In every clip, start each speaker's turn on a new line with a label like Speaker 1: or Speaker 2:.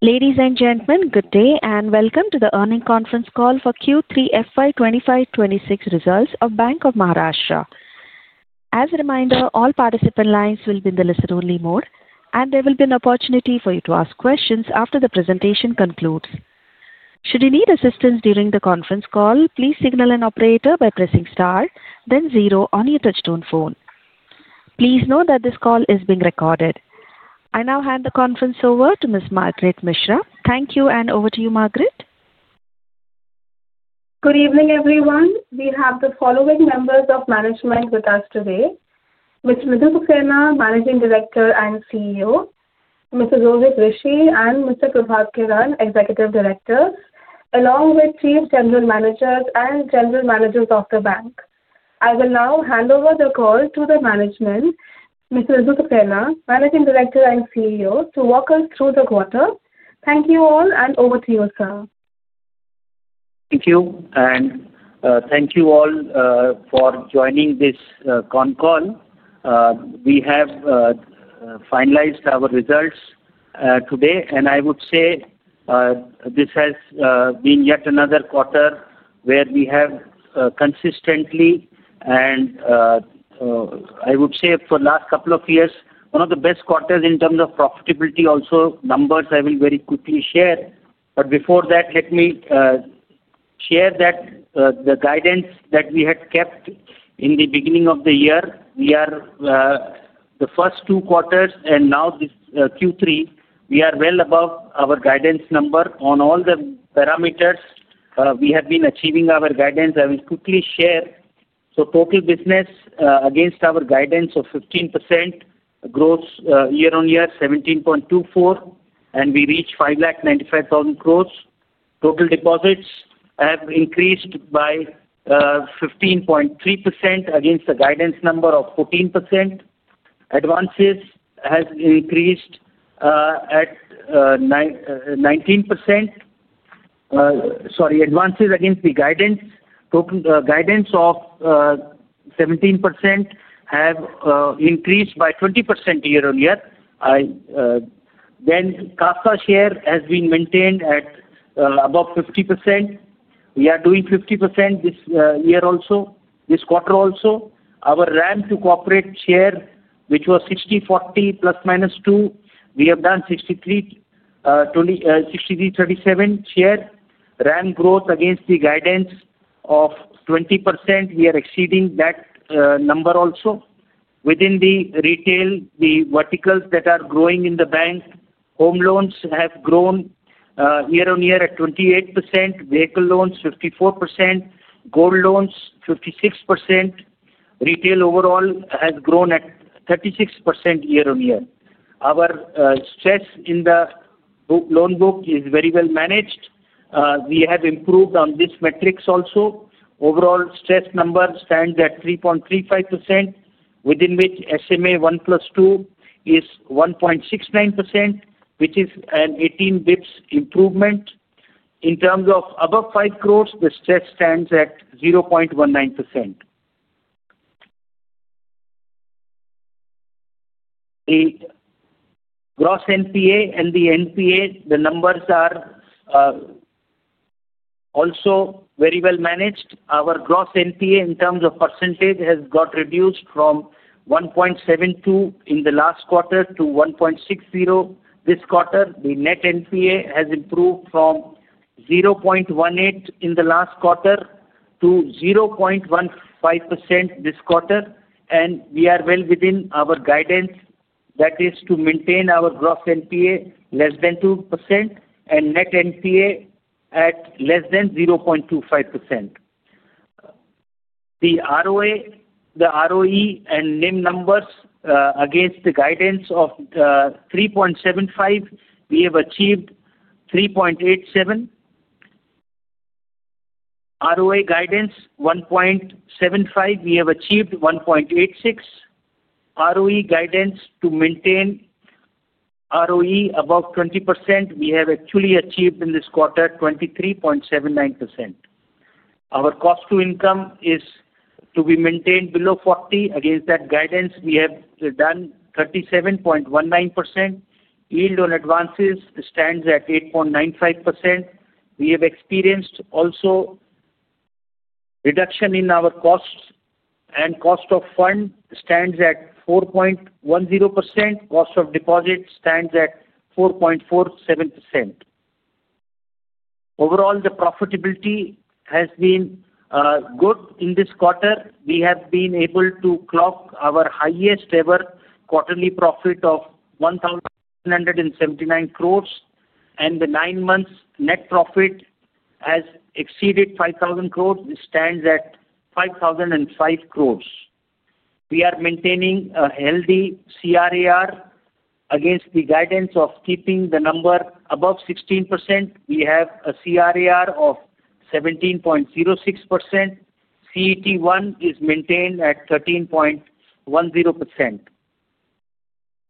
Speaker 1: Ladies and gentlemen, good day and welcome to the earnings conference call for Q3 FY 2025-26 results of Bank of Maharashtra. As a reminder, all participant lines will be in the listen-only mode, and there will be an opportunity for you to ask questions after the presentation concludes. Should you need assistance during the conference call, please signal an operator by pressing star, then zero on your touch-tone phone. Please note that this call is being recorded. I now hand the conference over to Ms. Margaret Mishra. Thank you, and over to you, Margaret.
Speaker 2: Good evening, everyone. We have the following members of management with us today: Mr. Nidhu Saxena, Managing Director and CEO, Mr. Rohit Rishi, and Mr. Prabhat Kiran, Executive Director, along with Chief General Managers and General Managers of the Bank. I will now hand over the call to the management, Ms. Nidhu Saxena, Managing Director and CEO, to walk us through the quarter. Thank you all, and over to you, sir.
Speaker 3: Thank you, and thank you all for joining this conference call. We have finalized our results today, and I would say this has been yet another quarter where we have consistently, and I would say for the last couple of years, one of the best quarters in terms of profitability. Also, numbers I will very quickly share. But before that, let me share that the guidance that we had kept in the beginning of the year, we are the first two quarters, and now this Q3, we are well above our guidance number on all the parameters. We have been achieving our guidance. I will quickly share so total business against our guidance of 15% growth year on year, 17.24%, and we reached 595,000 crores. Total deposits have increased by 15.3% against the guidance number of 14%. Advances have increased at 19%. Sorry, advances against the guidance, guidance of 17% have increased by 20% year on year. Then CASA share has been maintained at above 50%. We are doing 50% this year also, this quarter also. Our RAM to corporate share, which was 60-40 plus minus two, we have done 63-37 share RAM growth against the guidance of 20%. We are exceeding that number also. Within the retail, the verticals that are growing in the bank, home loans have grown year on year at 28%, vehicle loans 54%, gold loans 56%. Retail overall has grown at 36% year on year. Our stress in the loan book is very well managed. We have improved on this metrics also. Overall stress number stands at 3.35%, within which SMA one plus two is 1.69%, which is an 18 basis points improvement. In terms of above 5 crores, the stress stands at 0.19%. The gross NPA and the NPA, the numbers are also very well managed. Our gross NPA in terms of percentage has got reduced from 1.72% in the last quarter to 1.60% this quarter. The net NPA has improved from 0.18% in the last quarter to 0.15% this quarter, and we are well within our guidance that is to maintain our gross NPA less than 2% and net NPA at less than 0.25%. The ROE and NIM numbers against the guidance of 3.75%, we have achieved 3.87%. ROA guidance 1.75%, we have achieved 1.86%. ROE guidance to maintain ROE above 20%, we have actually achieved in this quarter 23.79%. Our cost to income is to be maintained below 40%. Against that guidance, we have done 37.19%. Yield on advances stands at 8.95%. We have experienced also reduction in our costs, and cost of fund stands at 4.10%. Cost of deposit stands at 4.47%. Overall, the profitability has been good in this quarter. We have been able to clock our highest ever quarterly profit of 1,179 crores, and the nine months net profit has exceeded 5,000 crores, which stands at 5,005 crores. We are maintaining a healthy CRAR against the guidance of keeping the number above 16%. We have a CRAR of 17.06%. CET1 is maintained at 13.10%.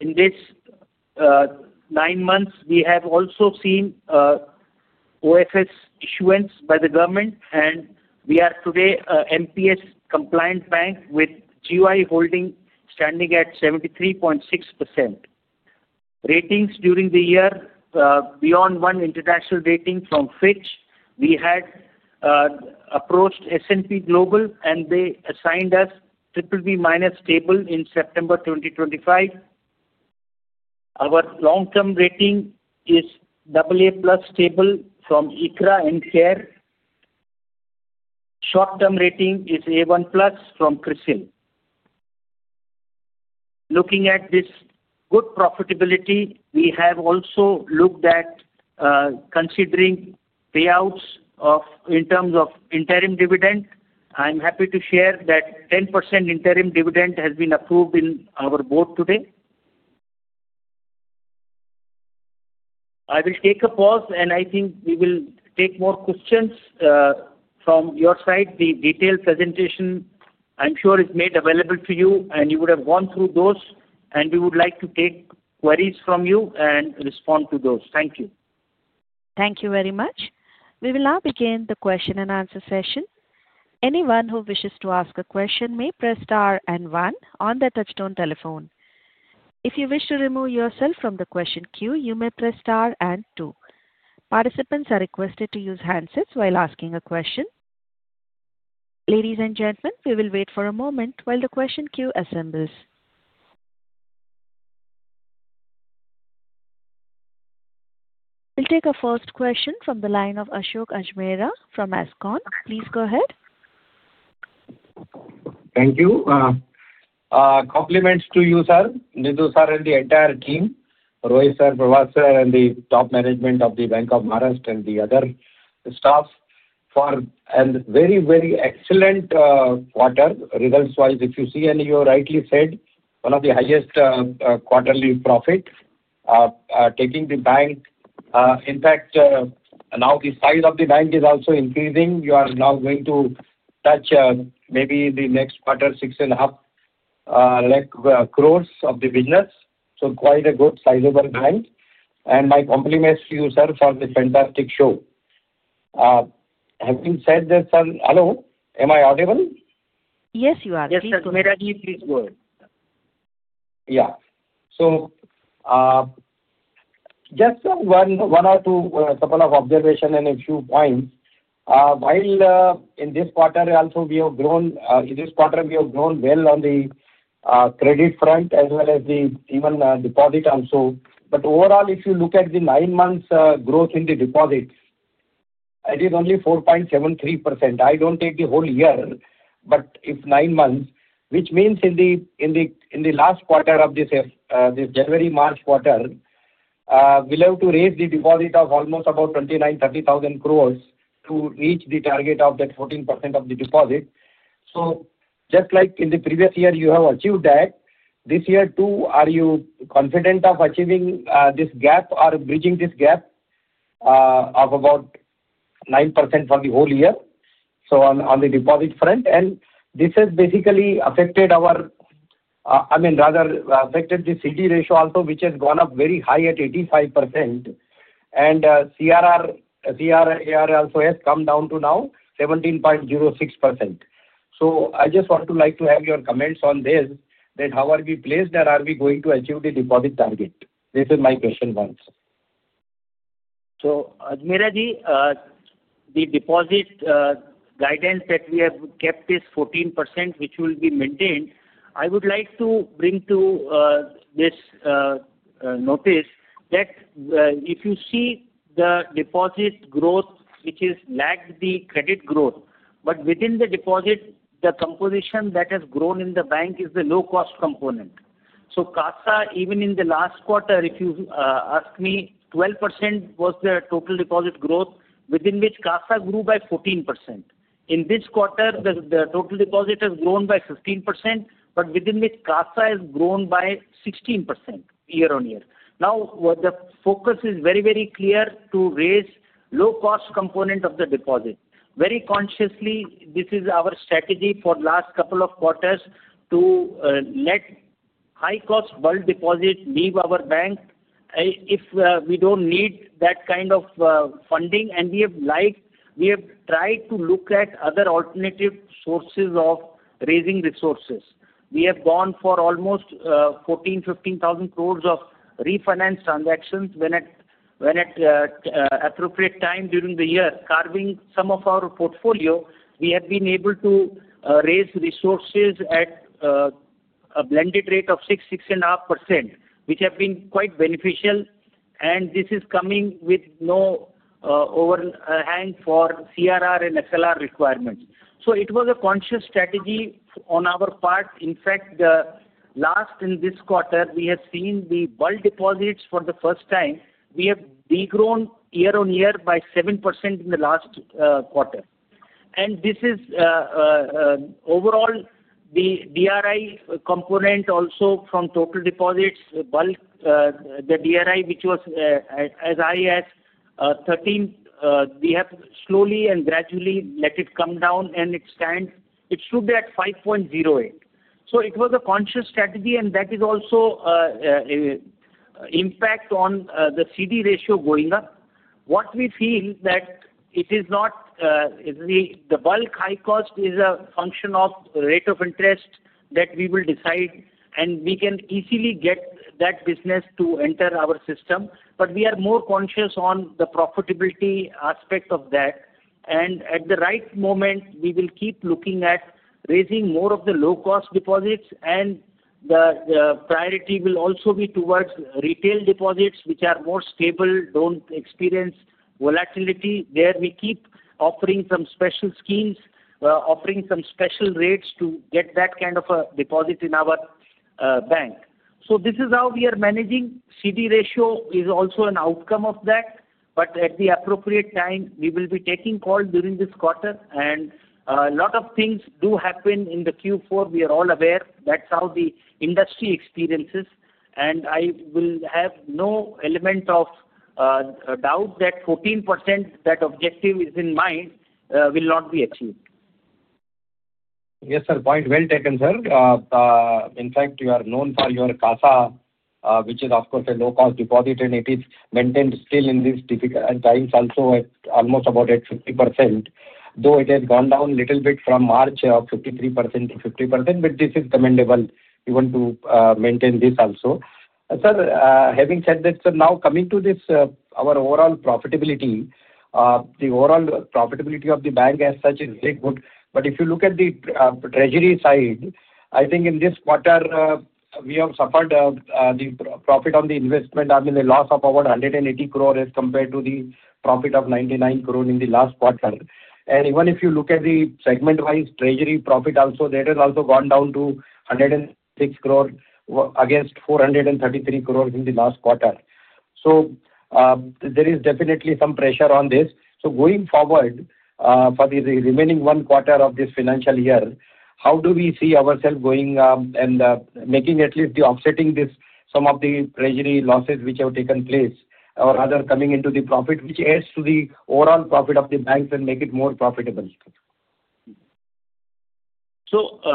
Speaker 3: In these nine months, we have also seen OFS issuance by the government, and we are today an MPS-compliant bank with GOI holding standing at 73.6%. Ratings during the year, beyond one international rating from Fitch, we had approached S&P Global, and they assigned us triple B minus stable in September 2025. Our long-term rating is AA+ stable from ICRA and CARE. Short-term rating is A1+ from CRISIL. Looking at this good profitability, we have also looked at considering payouts in terms of interim dividend. I'm happy to share that 10% interim dividend has been approved in our board today. I will take a pause, and I think we will take more questions from your side. The detailed presentation, I'm sure, is made available to you, and you would have gone through those, and we would like to take queries from you and respond to those. Thank you.
Speaker 1: Thank you very much. We will now begin the question and answer session. Anyone who wishes to ask a question may press star and one on the touch-tone telephone. If you wish to remove yourself from the question queue, you may press star and two. Participants are requested to use handsets while asking a question. Ladies and gentlemen, we will wait for a moment while the question queue assembles. We'll take a first question from the line of Ashok Ajmera from Ajcon Global. Please go ahead.
Speaker 4: Thank you. Compliments to you, sir, Nidhu sir, and the entire team, Rohit sir, Prabhat Kiran, and the top management of the Bank of Maharashtra and the other staff for a very, very excellent quarter results-wise. If you see, and you rightly said, one of the highest quarterly profits taking the bank. In fact, now the size of the bank is also increasing. You are now going to touch maybe the next quarter, 6.5 crores of the business. So quite a good sizable bank. And my compliments to you, sir, for the fantastic show. Having said this, sir, hello, am I audible?
Speaker 1: Yes, you are. Yes, sir. Please go ahead.
Speaker 4: Yeah. So just one or two couple of observations and a few points. While in this quarter, also, we have grown in this quarter, we have grown well on the credit front as well as the even deposit also. But overall, if you look at the nine months growth in the deposit, it is only 4.73%. I don't take the whole year, but if nine months, which means in the last quarter of this January, March quarter, we'll have to raise the deposit of almost about 29-30,000 crores to reach the target of that 14% of the deposit. So just like in the previous year, you have achieved that. This year too, are you confident of achieving this gap or bridging this gap of about 9% for the whole year? On the deposit front, and this has basically affected our, I mean, rather affected the CD ratio also, which has gone up very high at 85%. And CRAR also has come down to now 17.06%. I just want to like to have your comments on this, that how are we placed and are we going to achieve the deposit target? This is my question once.
Speaker 3: Ajmera, the deposit guidance that we have kept is 14%, which will be maintained. I would like to bring to this notice that if you see the deposit growth, which is lagged the credit growth, but within the deposit, the composition that has grown in the bank is the low-cost component. CASA, even in the last quarter, if you ask me, 12% was the total deposit growth, within which CASA grew by 14%. In this quarter, the total deposit has grown by 15%, but within which CASA has grown by 16% year on year. Now, the focus is very, very clear to raise low-cost component of the deposit. Very consciously, this is our strategy for the last couple of quarters to let high-cost bulk deposit leave our bank if we don't need that kind of funding, and we have tried to look at other alternative sources of raising resources. We have gone for almost 14,000-15,000 crores of refinance transactions whenever at appropriate time during the year. Carving some of our portfolio, we have been able to raise resources at a blended rate of 6%-6.5%, which have been quite beneficial, and this is coming with no overhang for CRR and SLR requirements, so it was a conscious strategy on our part. In fact, in the last quarter, we have seen the bulk deposits for the first time. We have degrown year on year by 7% in the last quarter, and this is overall the DRI component also from total deposits, bulk, the DRI, which was as high as 13. We have slowly and gradually let it come down, and it stands at 5.08, so it was a conscious strategy, and that is also impact on the CD ratio going up. What we feel that it is not the bulk high cost is a function of rate of interest that we will decide, and we can easily get that business to enter our system. But we are more conscious on the profitability aspect of that. And at the right moment, we will keep looking at raising more of the low-cost deposits, and the priority will also be towards retail deposits, which are more stable, don't experience volatility. There we keep offering some special schemes, offering some special rates to get that kind of a deposit in our bank. So this is how we are managing. CD ratio is also an outcome of that, but at the appropriate time, we will be taking calls during this quarter, and a lot of things do happen in the Q4. We are all aware that's how the industry experiences, and I will have no element of doubt that 14% that objective is in mind will not be achieved.
Speaker 4: Yes, sir, point well taken, sir. In fact, you are known for your CASA, which is of course a low-cost deposit, and it is maintained still in these difficult times also at almost about at 50%, though it has gone down a little bit from March of 53% to 50%, but this is commendable. You want to maintain this also. Sir, having said that, sir, now coming to our overall profitability, the overall profitability of the bank as such is very good. But if you look at the treasury side, I think in this quarter, we have suffered the profit on the investment, I mean the loss of about 180 crore as compared to the profit of 99 crore in the last quarter. And even if you look at the segment-wise treasury profit also, that has also gone down to 106 crore against 433 crore in the last quarter. There is definitely some pressure on this. Going forward for the remaining one quarter of this financial year, how do we see ourselves going and making at least the offsetting this, some of the treasury losses which have taken place or rather coming into the profit, which adds to the overall profit of the banks and make it more profitable?
Speaker 3: Before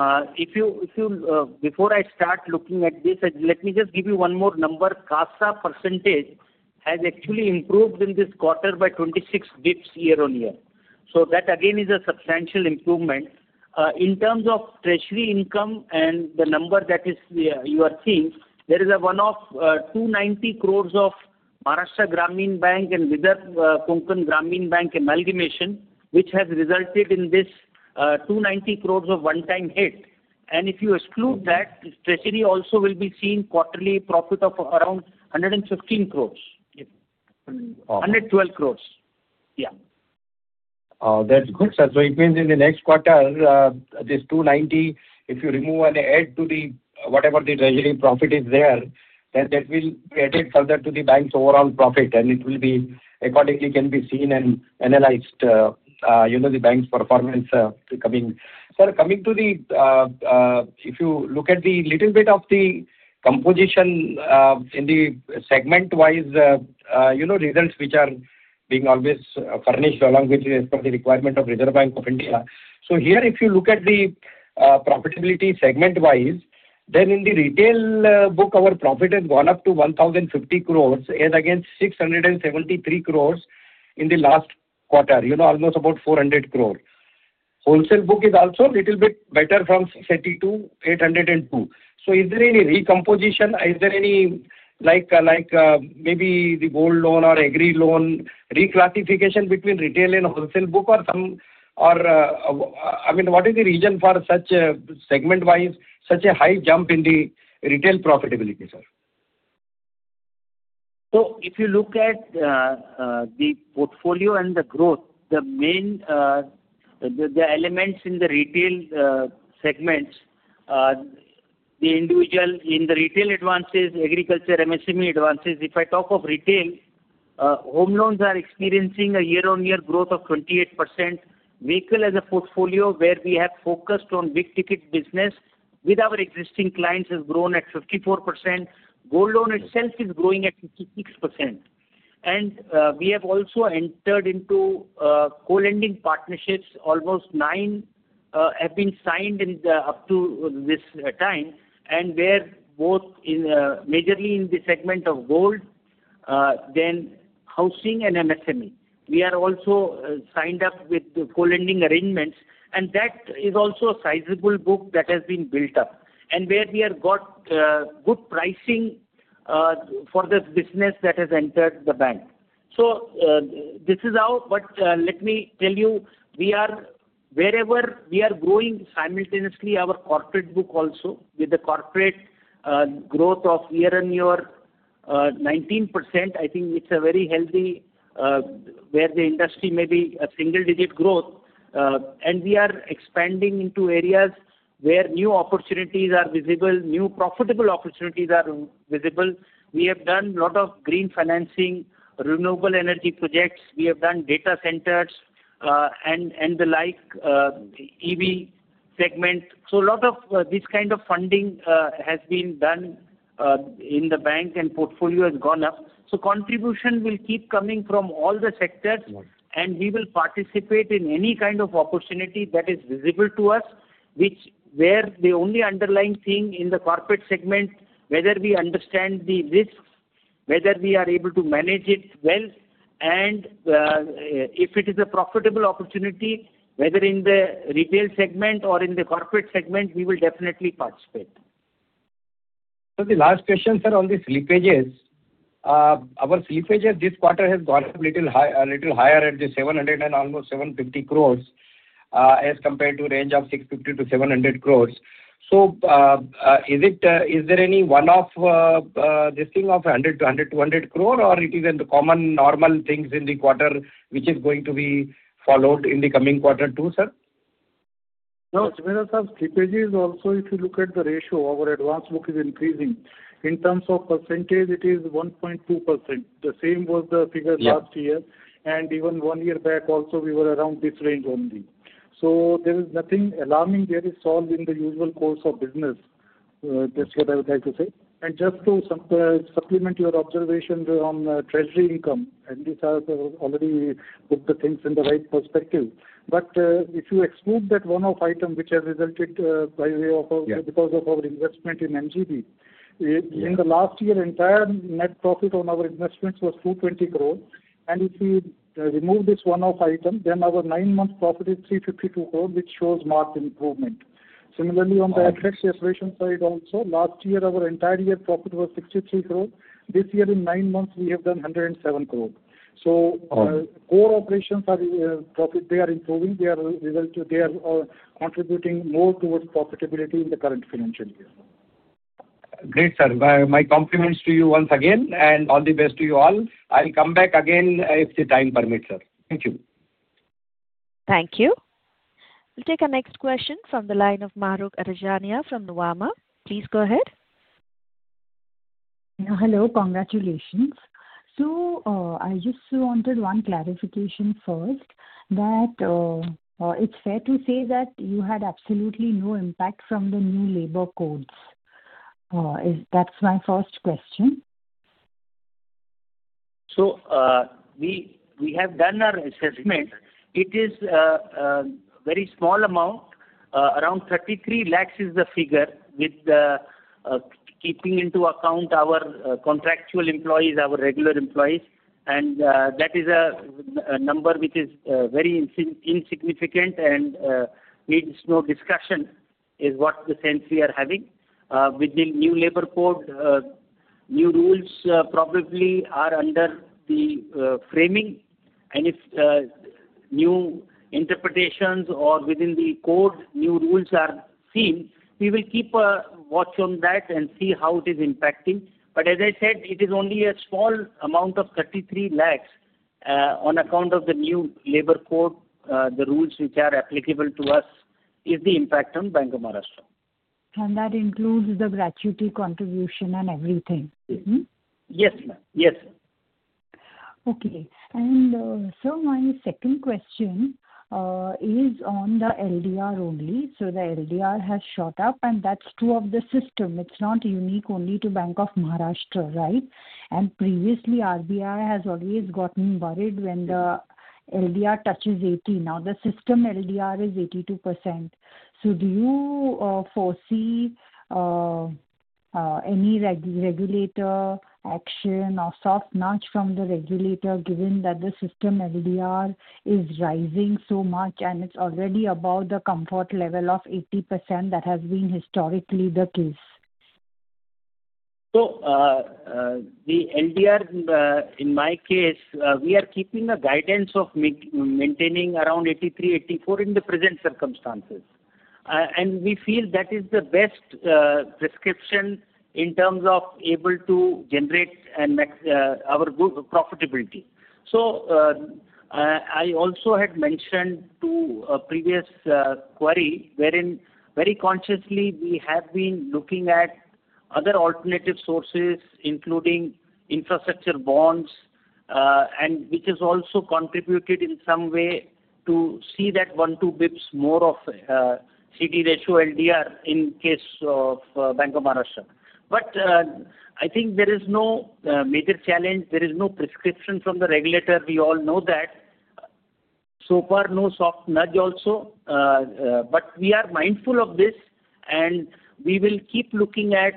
Speaker 3: I start looking at this, let me just give you one more number. CASA percentage has actually improved in this quarter by 26 basis points year on year. That again is a substantial improvement. In terms of treasury income and the number that you are seeing, there is a one-off of 290 crores of Maharashtra Gramin Bank and Vidarbha Konkan Gramin Bank amalgamation, which has resulted in this 290 crores of one-time hit. If you exclude that, treasury also will be seen quarterly profit of around 115 crores.
Speaker 5: 112 crores.
Speaker 3: Yeah.
Speaker 4: That's good, sir. So it means in the next quarter, this 290, if you remove and add to the whatever the treasury profit is there, then that will be added further to the bank's overall profit, and it will be accordingly can be seen and analyzed, the bank's performance coming. Sir, coming to the if you look at the little bit of the composition in the segment-wise results, which are being always furnished along with as per the requirement of Reserve Bank of India. So here, if you look at the profitability segment-wise, then in the retail book, our profit has gone up to 1,050 crores as against 673 crores in the last quarter, almost about 400 crore. Wholesale book is also a little bit better from 72,802. So is there any recomposition? Is there any like maybe the gold loan or agri loan reclassification between retail and wholesale book or some or I mean, what is the reason for such segment-wise, such a high jump in the retail profitability, sir?
Speaker 3: So if you look at the portfolio and the growth, the main elements in the retail segments, the individual in the retail advances, agriculture, MSME advances. If I talk of retail, home loans are experiencing a year-on-year growth of 28%. Vehicle as a portfolio where we have focused on big ticket business with our existing clients has grown at 54%. Gold loan itself is growing at 56%. And we have also entered into co-lending partnerships. Almost nine have been signed up to this time, and they're both majorly in the segment of gold, then housing and MSME. We are also signed up with the co-lending arrangements, and that is also a sizable book that has been built up, and where we have got good pricing for the business that has entered the bank. So this is how, but let me tell you, we are wherever we are growing simultaneously, our corporate book also with the corporate growth of year-on-year 19%. I think it's a very healthy where the industry may be a single-digit growth, and we are expanding into areas where new opportunities are visible, new profitable opportunities are visible. We have done a lot of green financing, renewable energy projects. We have done data centers and the like EV segment. So a lot of this kind of funding has been done in the bank and portfolio has gone up. So contribution will keep coming from all the sectors, and we will participate in any kind of opportunity that is visible to us, which where the only underlying thing in the corporate segment, whether we understand the risks, whether we are able to manage it well, and if it is a profitable opportunity, whether in the retail segment or in the corporate segment, we will definitely participate.
Speaker 4: The last question, sir, on the slippages. Our slippage this quarter has gone up a little higher at 700 crore and almost 750 crores as compared to range of 650-700 crores. So is there any one-off this thing of 100 to 100 to 100 crore, or it is a common normal things in the quarter which is going to be followed in the coming quarter too, sir?
Speaker 6: No, Ajmera, sir, slippage is also, if you look at the ratio, our advance book is increasing. In terms of percentage, it is 1.2%. The same was the figure last year, and even one year back also, we were around this range only. So there is nothing alarming there is solved in the usual course of business. That's what I would like to say. And just to supplement your observation on the treasury income, and these are already put the things in the right perspective. But if you exclude that one-off item which has resulted by way of because of our investment in MGB, in the last year, entire net profit on our investments was 220 crore. And if we remove this one-off item, then our nine-month profit is 352 crore, which shows marked improvement. Similarly, on the asset acquisition side also, last year, our entire year profit was 63 crore. This year, in nine months, we have done 107 crore. So core operations are profit, they are improving, they are contributing more towards profitability in the current financial year.
Speaker 4: Great, sir. My compliments to you once again, and all the best to you all. I'll come back again if the time permits, sir. Thank you.
Speaker 1: Thank you. We'll take our next question from the line of Mahrukh Adajania from Nuvama. Please go ahead.
Speaker 7: Hello, congratulations. So I just wanted one clarification first that it's fair to say that you had absolutely no impact from the new labor codes? That's my first question.
Speaker 3: We have done our assessment. It is a very small amount, around 33 lakhs is the figure with keeping into account our contractual employees, our regular employees. And that is a number which is very insignificant and needs no discussion is what the sense we are having. With the new labor code, new rules probably are under the framing, and if new interpretations or within the code, new rules are seen, we will keep a watch on that and see how it is impacting. But as I said, it is only a small amount of 33 lakhs on account of the new labor code, the rules which are applicable to us is the impact on Bank of Maharashtra.
Speaker 7: That includes the gratuity contribution and everything?
Speaker 3: Yes, ma'am. Yes, ma'am.
Speaker 7: Okay. And sir, my second question is on the LDR only. So the LDR has shot up, and that's true of the system. It's not unique only to Bank of Maharashtra, right? And previously, RBI has always gotten worried when the LDR touches 80%. Now, the system LDR is 82%. So do you foresee any regulator action or soft nudge from the regulator given that the system LDR is rising so much and it's already above the comfort level of 80% that has been historically the case?
Speaker 3: The LDR, in my case, we are keeping a guidance of maintaining around 83-84 in the present circumstances. We feel that is the best prescription in terms of able to generate our profitability. I also had mentioned to a previous query wherein very consciously we have been looking at other alternative sources, including infrastructure bonds, and which has also contributed in some way to see that 1-2 basis points more of CD ratio LDR in case of Bank of Maharashtra. But I think there is no major challenge. There is no prescription from the regulator. We all know that. So far, no soft nudge also. But we are mindful of this, and we will keep looking at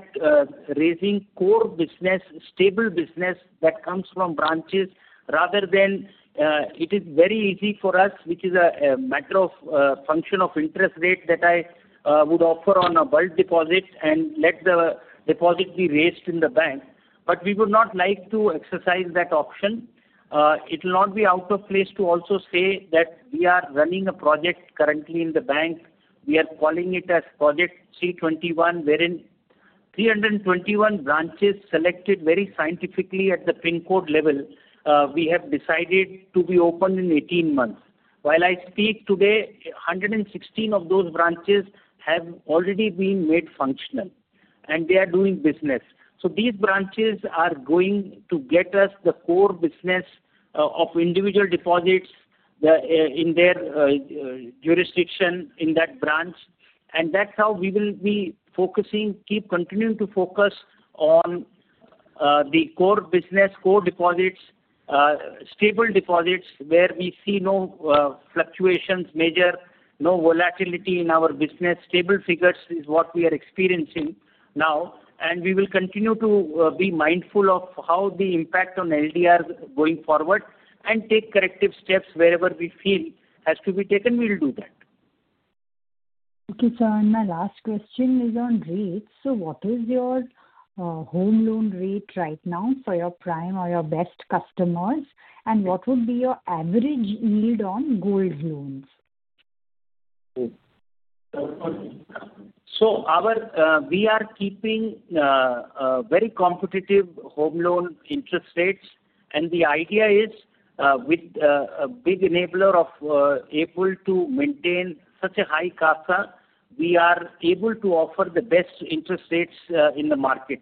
Speaker 3: raising core business, stable business that comes from branches rather than it is very easy for us, which is a matter of function of interest rate that I would offer on a bulk deposit and let the deposit be raised in the bank. But we would not like to exercise that option. It will not be out of place to also say that we are running a project currently in the bank. We are calling it as Project 321, wherein 321 branches selected very scientifically at the PIN code level, we have decided to be open in 18 months. While I speak today, 116 of those branches have already been made functional, and they are doing business. So these branches are going to get us the core business of individual deposits in their jurisdiction in that branch. And that's how we will be focusing, keep continuing to focus on the core business, core deposits, stable deposits where we see no fluctuations, major, no volatility in our business. Stable figures is what we are experiencing now. And we will continue to be mindful of how the impact on LDR going forward and take corrective steps wherever we feel has to be taken, we will do that.
Speaker 7: Okay, sir. And my last question is on rates. So what is your home loan rate right now for your prime or your best customers? And what would be your average yield on gold loans?
Speaker 3: So we are keeping very competitive home loan interest rates. And the idea is with a big enabler of able to maintain such a high CASA, we are able to offer the best interest rates in the market.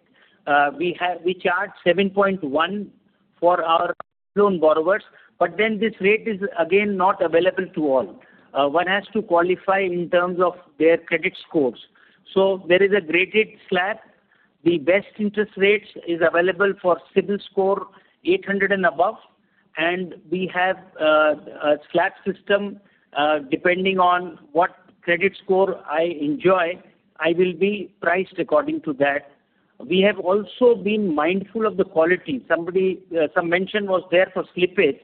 Speaker 3: We charge 7.1% for our loan borrowers, but then this rate is again not available to all. One has to qualify in terms of their credit scores. So there is a graded slab. The best interest rate is available for CIBIL score 800 and above. And we have a slab system depending on what credit score I enjoy, I will be priced according to that. We have also been mindful of the quality. Somebody some mention was there for slippages.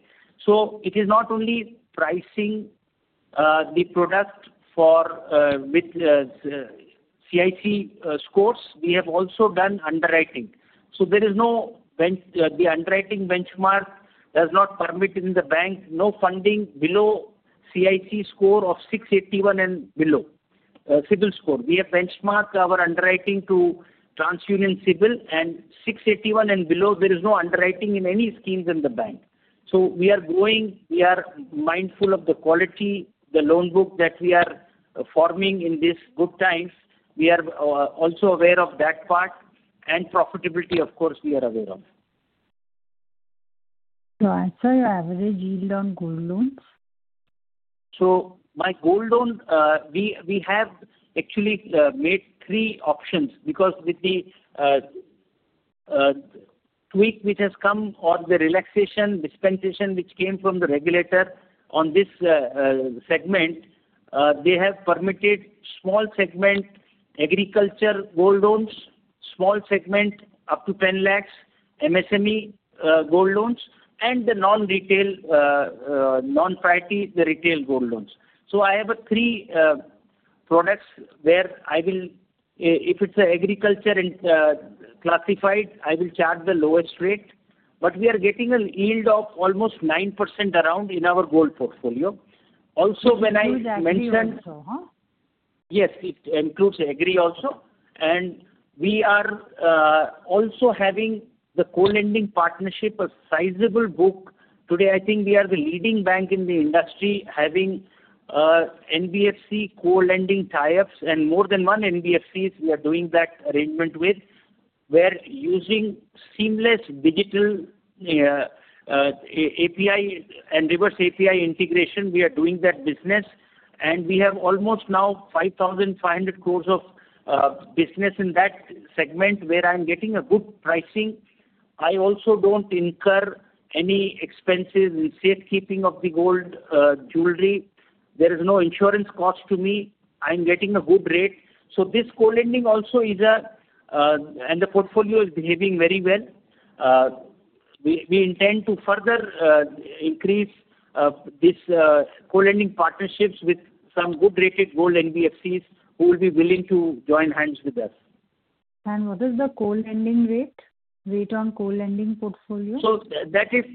Speaker 3: So it is not only pricing the product with CIBIL scores, we have also done underwriting. The underwriting benchmark does not permit in the bank no funding below CIBIL score of 681 and below CIBIL score. We have benchmarked our underwriting to TransUnion CIBIL, and 681 and below, there is no underwriting in any schemes in the bank. We are going. We are mindful of the quality, the loan book that we are forming in these good times. We are also aware of that part and profitability, of course. We are aware of.
Speaker 7: Sir, your average yield on gold loans?
Speaker 3: So, my gold loan, we have actually made three options because with the tweak which has come or the relaxation, dispensation which came from the regulator on this segment, they have permitted small segment agriculture gold loans, small segment up to 10 lakhs, MSME gold loans, and the non-retail, non-priority retail gold loans. So I have three products where I will, if it's agriculture and classified, I will charge the lowest rate. But we are getting a yield of almost 9% around in our gold portfolio. Also when I mentioned.
Speaker 7: Includes agri also.
Speaker 3: Yes, it includes agri also. And we are also having the co-lending partnership of sizable book. Today, I think we are the leading bank in the industry having NBFC co-lending tie-ups and more than one NBFC we are doing that arrangement with where using seamless digital API and reverse API integration, we are doing that business. And we have almost now 5,500 crores of business in that segment where I'm getting a good pricing. I also don't incur any expenses in safekeeping of the gold jewelry. There is no insurance cost to me. I'm getting a good rate. So this co-lending also is a and the portfolio is behaving very well. We intend to further increase these co-lending partnerships with some good-rated gold NBFCs who will be willing to join hands with us.
Speaker 7: What is the co-lending rate? Rate on co-lending portfolio?
Speaker 3: So that is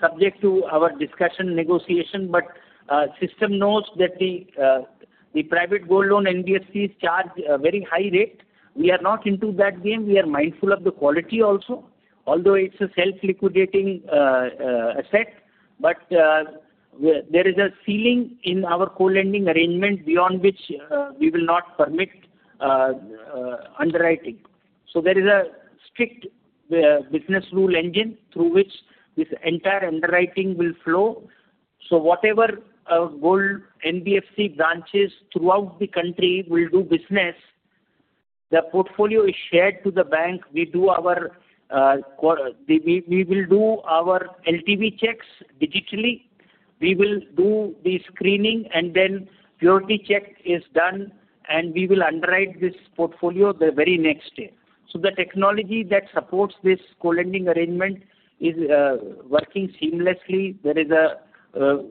Speaker 3: subject to our discussion, negotiation. But system knows that the private gold loan NBFCs charge a very high rate. We are not into that game. We are mindful of the quality also. Although it's a self-liquidating asset, but there is a ceiling in our co-lending arrangement beyond which we will not permit underwriting. So there is a strict business rule engine through which this entire underwriting will flow. So whatever gold NBFC branches throughout the country will do business, the portfolio is shared to the bank. We will do our LTV checks digitally. We will do the screening, and then purity check is done, and we will underwrite this portfolio the very next day. So the technology that supports this co-lending arrangement is working seamlessly. There is a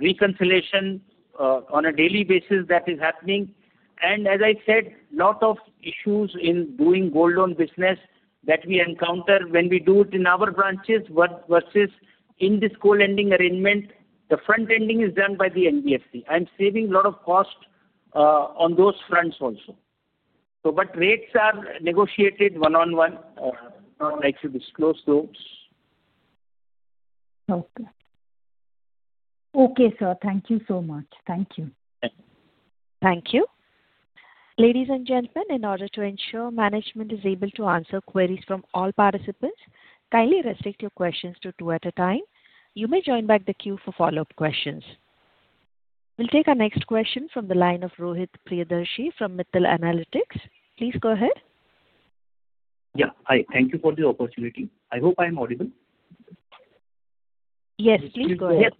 Speaker 3: reconciliation on a daily basis that is happening. And as I said, a lot of issues in doing gold loan business that we encounter when we do it in our branches versus in this co-lending arrangement, the front ending is done by the NBFC. I'm saving a lot of cost on those fronts also. But rates are negotiated one-on-one. I'd like to disclose those.
Speaker 7: Okay. Okay, sir. Thank you so much. Thank you.
Speaker 3: Thank you.
Speaker 1: Thank you. Ladies and gentlemen, in order to ensure management is able to answer queries from all participants, kindly restrict your questions to two at a time. You may join back the queue for follow-up questions. We'll take our next question from the line of Rohit Priyadarshi from Mittal Analytics. Please go ahead.
Speaker 8: Yeah. Hi. Thank you for the opportunity. I hope I'm audible.
Speaker 1: Yes, please go ahead.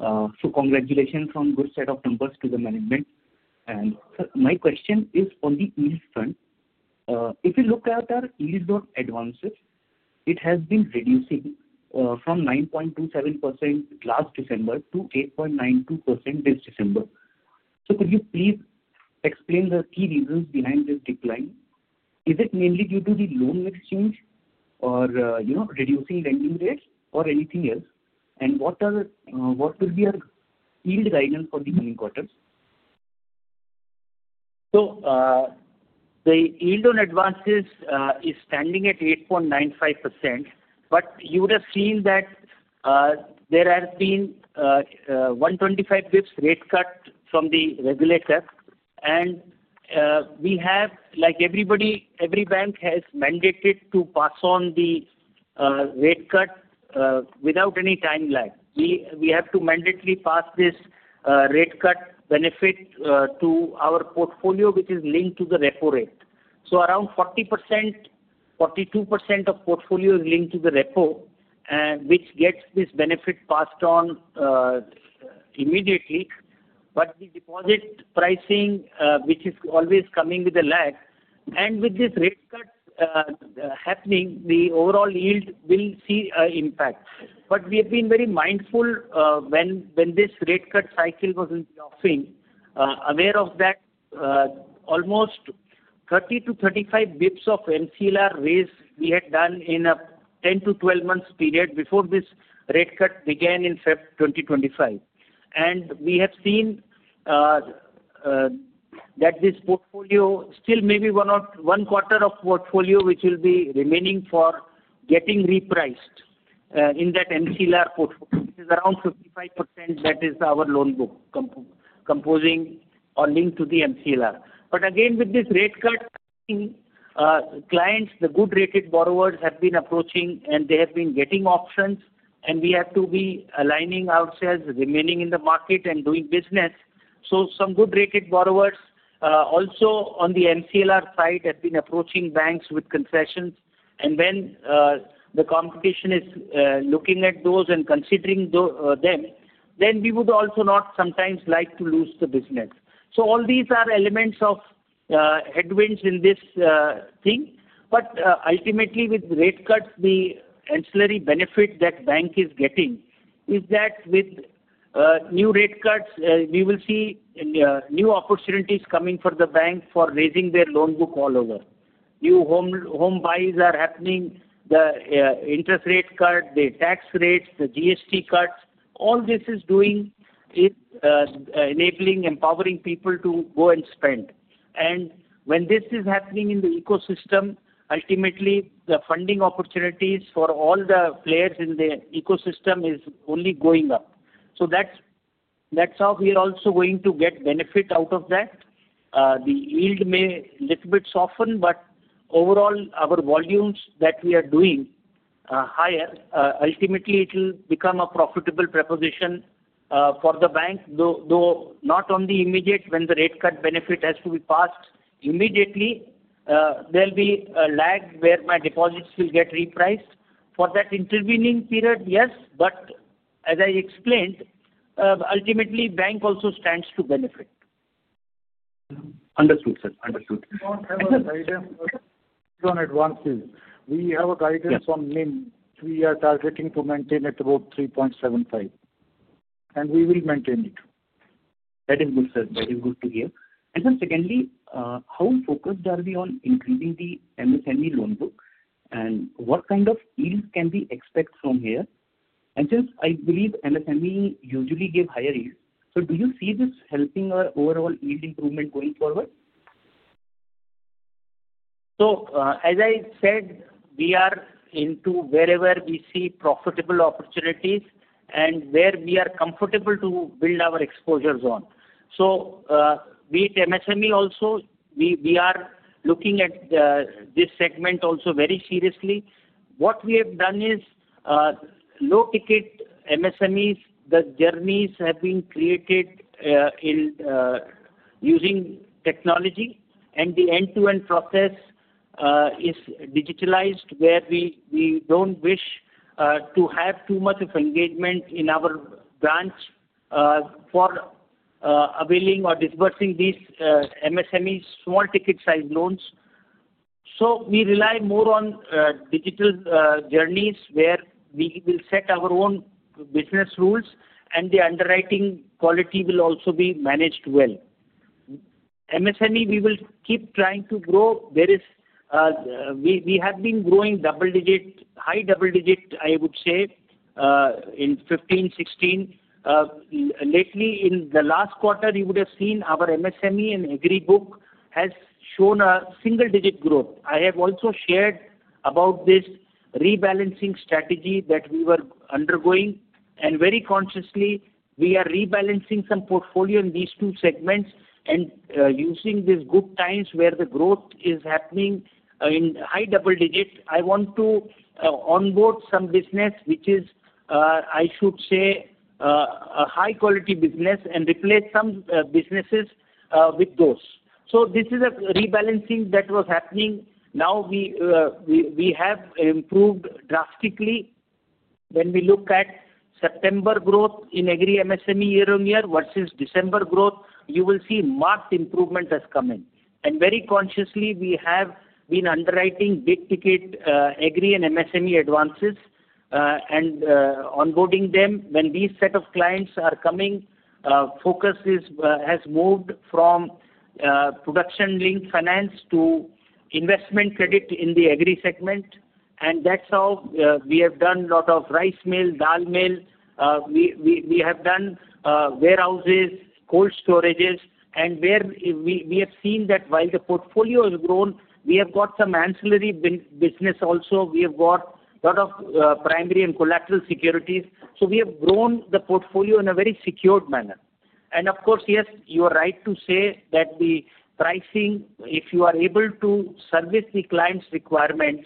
Speaker 8: So congratulations on good set of numbers to the management. And my question is on the yield front. If you look at our yield on advances, it has been reducing from 9.27% last December to 8.92% this December. So could you please explain the key reasons behind this decline? Is it mainly due to the loan exchange or reducing lending rates or anything else? And what will be our yield guidance for the coming quarters?
Speaker 3: So the yield on advances is standing at 8.95%. But you would have seen that there have been 125 basis points rate cut from the regulator. And we have, like everybody, every bank has mandated to pass on the rate cut without any time lag. We have to mandatory pass this rate cut benefit to our portfolio, which is linked to the repo rate. So around 40%, 42% of portfolio is linked to the repo, which gets this benefit passed on immediately. But the deposit pricing, which is always coming with a lag, and with this rate cut happening, the overall yield will see an impact. But we have been very mindful when this rate cut cycle was in the offing, aware of that almost 30 basis points to 35 basis points of MCLR raise we had done in a 10 months to 12 months period before this rate cut began in February 2025. We have seen that this portfolio still may be one quarter of portfolio which will be remaining for getting repriced in that MCLR portfolio. It is around 55% that is our loan book comprising or linked to the MCLR. With this rate cut, clients, the good rated borrowers have been approaching, and they have been getting options. We have to be aligning ourselves, remaining in the market and doing business. Some good rated borrowers also on the MCLR side have been approaching banks with concessions. When the competition is looking at those and considering them, then we would also not sometimes like to lose the business. All these are elements of headwinds in this thing. But ultimately, with rate cuts, the ancillary benefit that bank is getting is that with new rate cuts, we will see new opportunities coming for the bank for raising their loan book all over. New home buys are happening, the interest rate cut, the tax rates, the GST cuts. All this is doing is enabling, empowering people to go and spend. And when this is happening in the ecosystem, ultimately, the funding opportunities for all the players in the ecosystem is only going up. So that's how we are also going to get benefit out of that. The yield may a little bit soften, but overall, our volumes that we are doing higher, ultimately, it will become a profitable proposition for the bank, though not on the immediate when the rate cut benefit has to be passed immediately. There will be a lag where my deposits will get repriced. For that intervening period, yes. But as I explained, ultimately, bank also stands to benefit.
Speaker 8: Understood, sir. Understood.
Speaker 5: We don't have a guidance on advances. We have a guidance on NIM. We are targeting to maintain at about 3.75%, and we will maintain it.
Speaker 8: That is good, sir. That is good to hear. And then secondly, how focused are we on increasing the MSME loan book? And what kind of yield can we expect from here? And since I believe MSME usually give higher yields, so do you see this helping our overall yield improvement going forward?
Speaker 3: So as I said, we are into wherever we see profitable opportunities and where we are comfortable to build our exposures on. So with MSME also, we are looking at this segment also very seriously. What we have done is low-ticket MSMEs. The journeys have been created using technology, and the end-to-end process is digitalized where we don't wish to have too much of engagement in our branch for availing or disbursing these MSME small ticket size loans. So we rely more on digital journeys where we will set our own business rules, and the underwriting quality will also be managed well. MSME, we will keep trying to grow. We have been growing double digit, high double digit, I would say, in 2015, 2016. Lately, in the last quarter, you would have seen our MSME and agri book has shown a single digit growth. I have also shared about this rebalancing strategy that we were undergoing. And very consciously, we are rebalancing some portfolio in these two segments and using these good times where the growth is happening in high double digit. I want to onboard some business which is, I should say, a high quality business and replace some businesses with those. So this is a rebalancing that was happening. Now we have improved drastically. When we look at September growth in agri MSME year on year versus December growth, you will see marked improvement has come in. And very consciously, we have been underwriting big ticket agri and MSME advances and onboarding them. When these set of clients are coming, focus has moved from production link finance to investment credit in the agri segment. And that's how we have done a lot of rice mill, dal mill. We have done warehouses, cold storages, and we have seen that while the portfolio has grown, we have got some ancillary business also. We have got a lot of primary and collateral securities, so we have grown the portfolio in a very secured manner, and of course, yes, you are right to say that the pricing, if you are able to service the client's requirements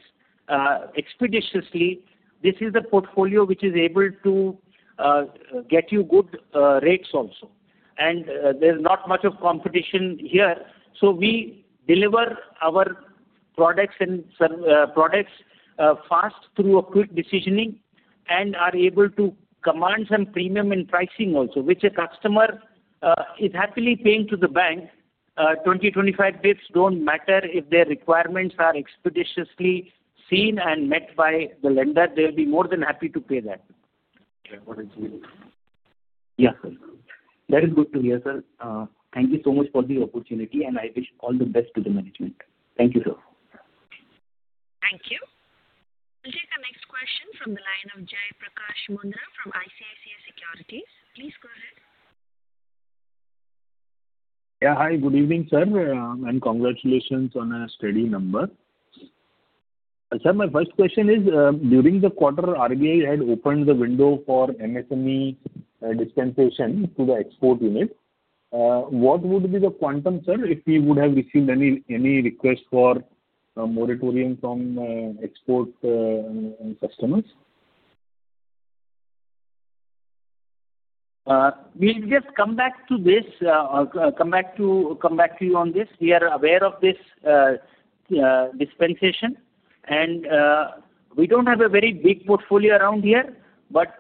Speaker 3: expeditiously, this is the portfolio which is able to get you good rates also, and there's not much of competition here, so we deliver our products and products fast through a quick decisioning and are able to command some premium in pricing also, which a customer is happily paying to the bank, 20 basis points-25 basis points don't matter if their requirements are expeditiously seen and met by the lender. They'll be more than happy to pay that.
Speaker 8: Yeah. That is good. Yes, sir. That is good to hear, sir. Thank you so much for the opportunity, and I wish all the best to the management. Thank you, sir.
Speaker 1: Thank you. We'll take our next question from the line of Jai Prakash Mundhra from ICICI Securities. Please go ahead.
Speaker 9: Yeah. Hi. Good evening, sir, and congratulations on a steady number. Sir, my first question is, during the quarter, RBI had opened the window for MSME dispensation to the export unit. What would be the quantum, sir, if we would have received any request for moratorium from export customers?
Speaker 3: We'll just come back to this, come back to you on this. We are aware of this dispensation, and we don't have a very big portfolio around here. But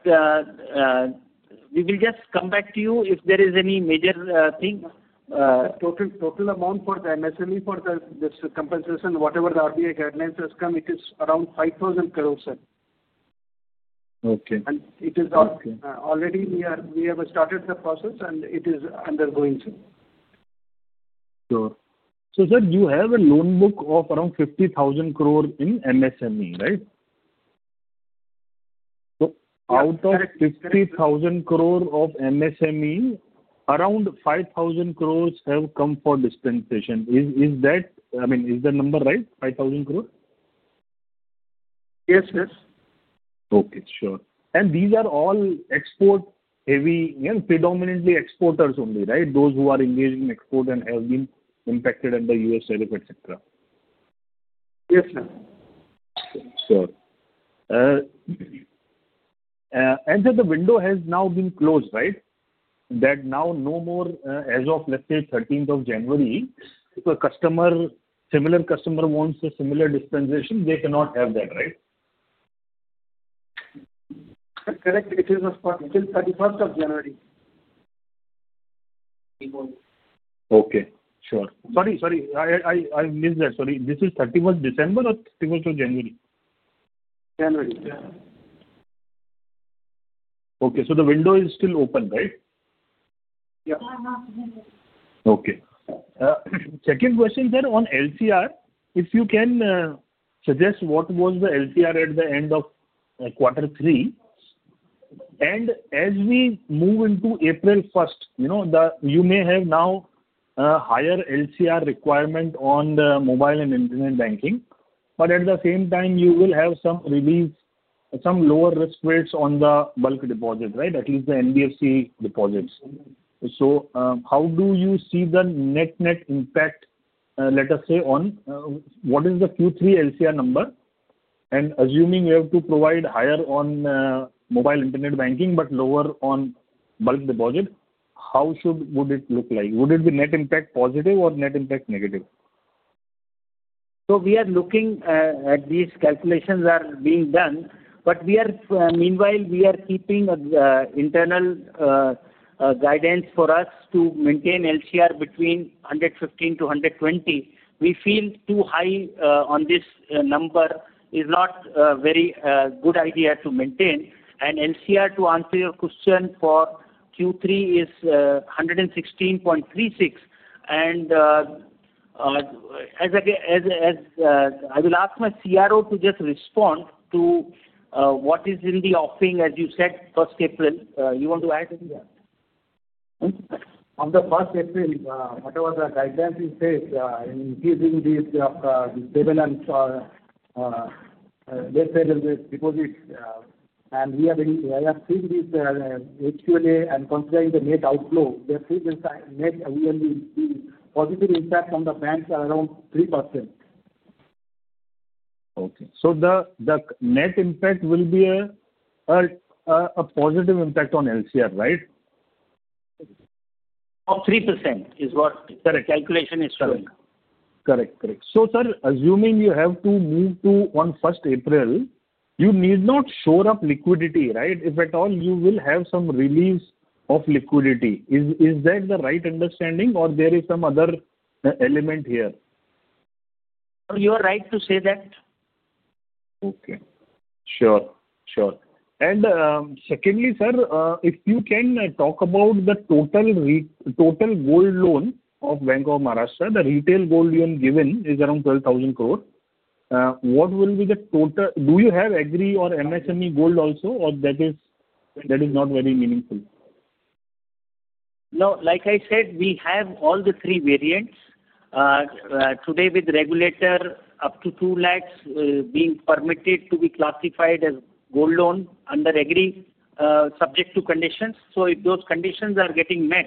Speaker 3: we will just come back to you if there is any major thing.
Speaker 5: Total amount for the MSME for this compensation, whatever the RBI guidelines has come, it is around 5,000 crores, sir.
Speaker 9: Okay.
Speaker 5: It is already. We have started the process, and it is undergoing, sir.
Speaker 9: Sure. So sir, you have a loan book of around 50,000 crores in MSME, right? So out of 50,000 crores of MSME, around 5,000 crores have come for disbursement. Is that, I mean, is the number right, 5,000 crores?
Speaker 5: Yes, sir.
Speaker 9: Okay. Sure. And these are all export-heavy, predominantly exporters only, right, those who are engaged in export and have been impacted under U.S. tariff, etc.?
Speaker 5: Yes, sir.
Speaker 9: Sure. And sir, the window has now been closed, right? That now no more, as of, let's say, 13th of January, if a customer, similar customer wants a similar dispensation, they cannot have that, right?
Speaker 5: Correct. It is still 31st of January.
Speaker 9: Okay. Sure. Sorry, sorry. I missed that. Sorry. This is 31st December or 31st of January?
Speaker 5: January.
Speaker 9: Okay. So the window is still open, right?
Speaker 5: Yeah.
Speaker 9: Okay. Second question, sir, on LCR. If you can suggest what was the LCR at the end of quarter three? And as we move into April 1st, you may have now a higher LCR requirement on the mobile and internet banking. But at the same time, you will have some relief, some lower risk rates on the bulk deposit, right, at least the NBFC deposits. So how do you see the net-net impact, let us say, on what is the Q3 LCR number? And assuming you have to provide higher on mobile internet banking but lower on bulk deposit, how would it look like? Would it be net impact positive or net impact negative?
Speaker 3: So we are looking at these calculations that are being done. But meanwhile, we are keeping internal guidance for us to maintain LCR between 115 to 120. We feel too high on this number is not a very good idea to maintain. And LCR, to answer your question, for Q3 is 116.36. And I will ask my CRO to just respond to what is in the offering, as you said, 1st April. You want to add anything?
Speaker 6: On the 1st April, whatever the guidelines say, increasing the HQLA and LCR with deposits. And we have seen this HQLA and considering the net outflow, we have seen this net positive impact on the banks around 3%.
Speaker 9: Okay. So the net impact will be a positive impact on LCR, right?
Speaker 3: Of 3% is what the calculation is showing.
Speaker 9: Correct. Correct. So sir, assuming you have to move to on 1st April, you need not shore up liquidity, right? If at all, you will have some relief of liquidity. Is that the right understanding, or there is some other element here?
Speaker 3: You are right to say that.
Speaker 9: Okay. Sure. Sure. And secondly, sir, if you can talk about the total gold loan of Bank of Maharashtra, the retail gold you have given is around 12,000 crores. What will be the total? Do you have agri or MSME gold also, or that is not very meaningful?
Speaker 3: No. Like I said, we have all the three variants. Today, with regulator, up to 2 lakhs being permitted to be classified as gold loan under agri subject to conditions. So if those conditions are getting met,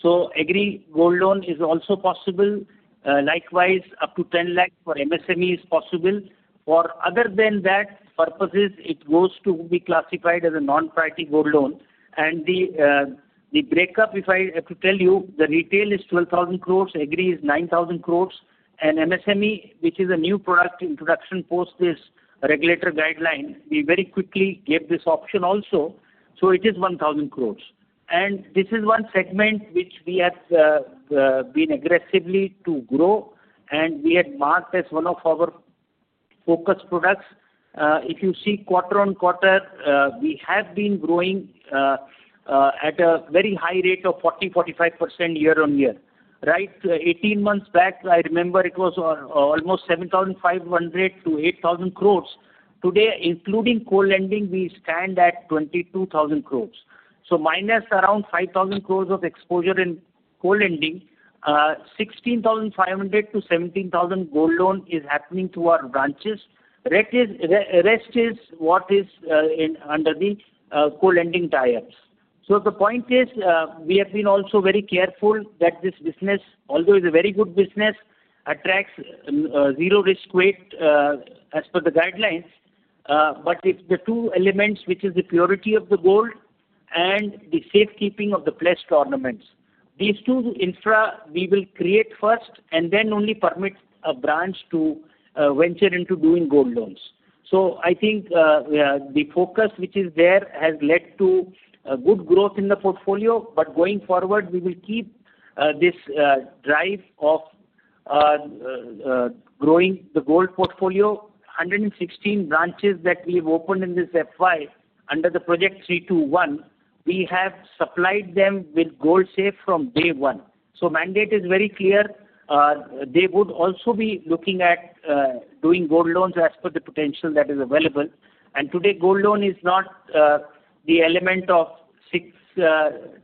Speaker 3: so agri gold loan is also possible. Likewise, up to 10 lakhs for MSME is possible. For other than that purposes, it goes to be classified as a non-priority gold loan. And the breakup, if I have to tell you, the retail is 12,000 crores, agri is 9,000 crores. And MSME, which is a new product introduction post this regulator guideline, we very quickly gave this option also. So it is 1,000 crores. And this is one segment which we have been aggressively to grow, and we had marked as one of our focus products. If you see quarter on quarter, we have been growing at a very high rate of 40%-45% year on year. Right 18 months back, I remember it was almost 7,500-8,000 crores. Today, including coal lending, we stand at 22,000 crores. So minus around 5,000 crores of exposure in coal lending, 16,500-17,000 gold loan is happening to our branches. Rest is what is under the coal lending tariffs. So the point is, we have been also very careful that this business, although it is a very good business, attracts zero risk weight as per the guidelines. But if the two elements, which is the purity of the gold and the safekeeping of the pledged ornaments, these two infra we will create first and then only permit a branch to venture into doing gold loans. So I think the focus which is there has led to good growth in the portfolio. But going forward, we will keep this drive of growing the gold portfolio. 116 branches that we have opened in this FY under the Project 321, we have supplied them with gold safe from day one. So mandate is very clear. They would also be looking at doing gold loans as per the potential that is available. And today, gold loan is not the element of six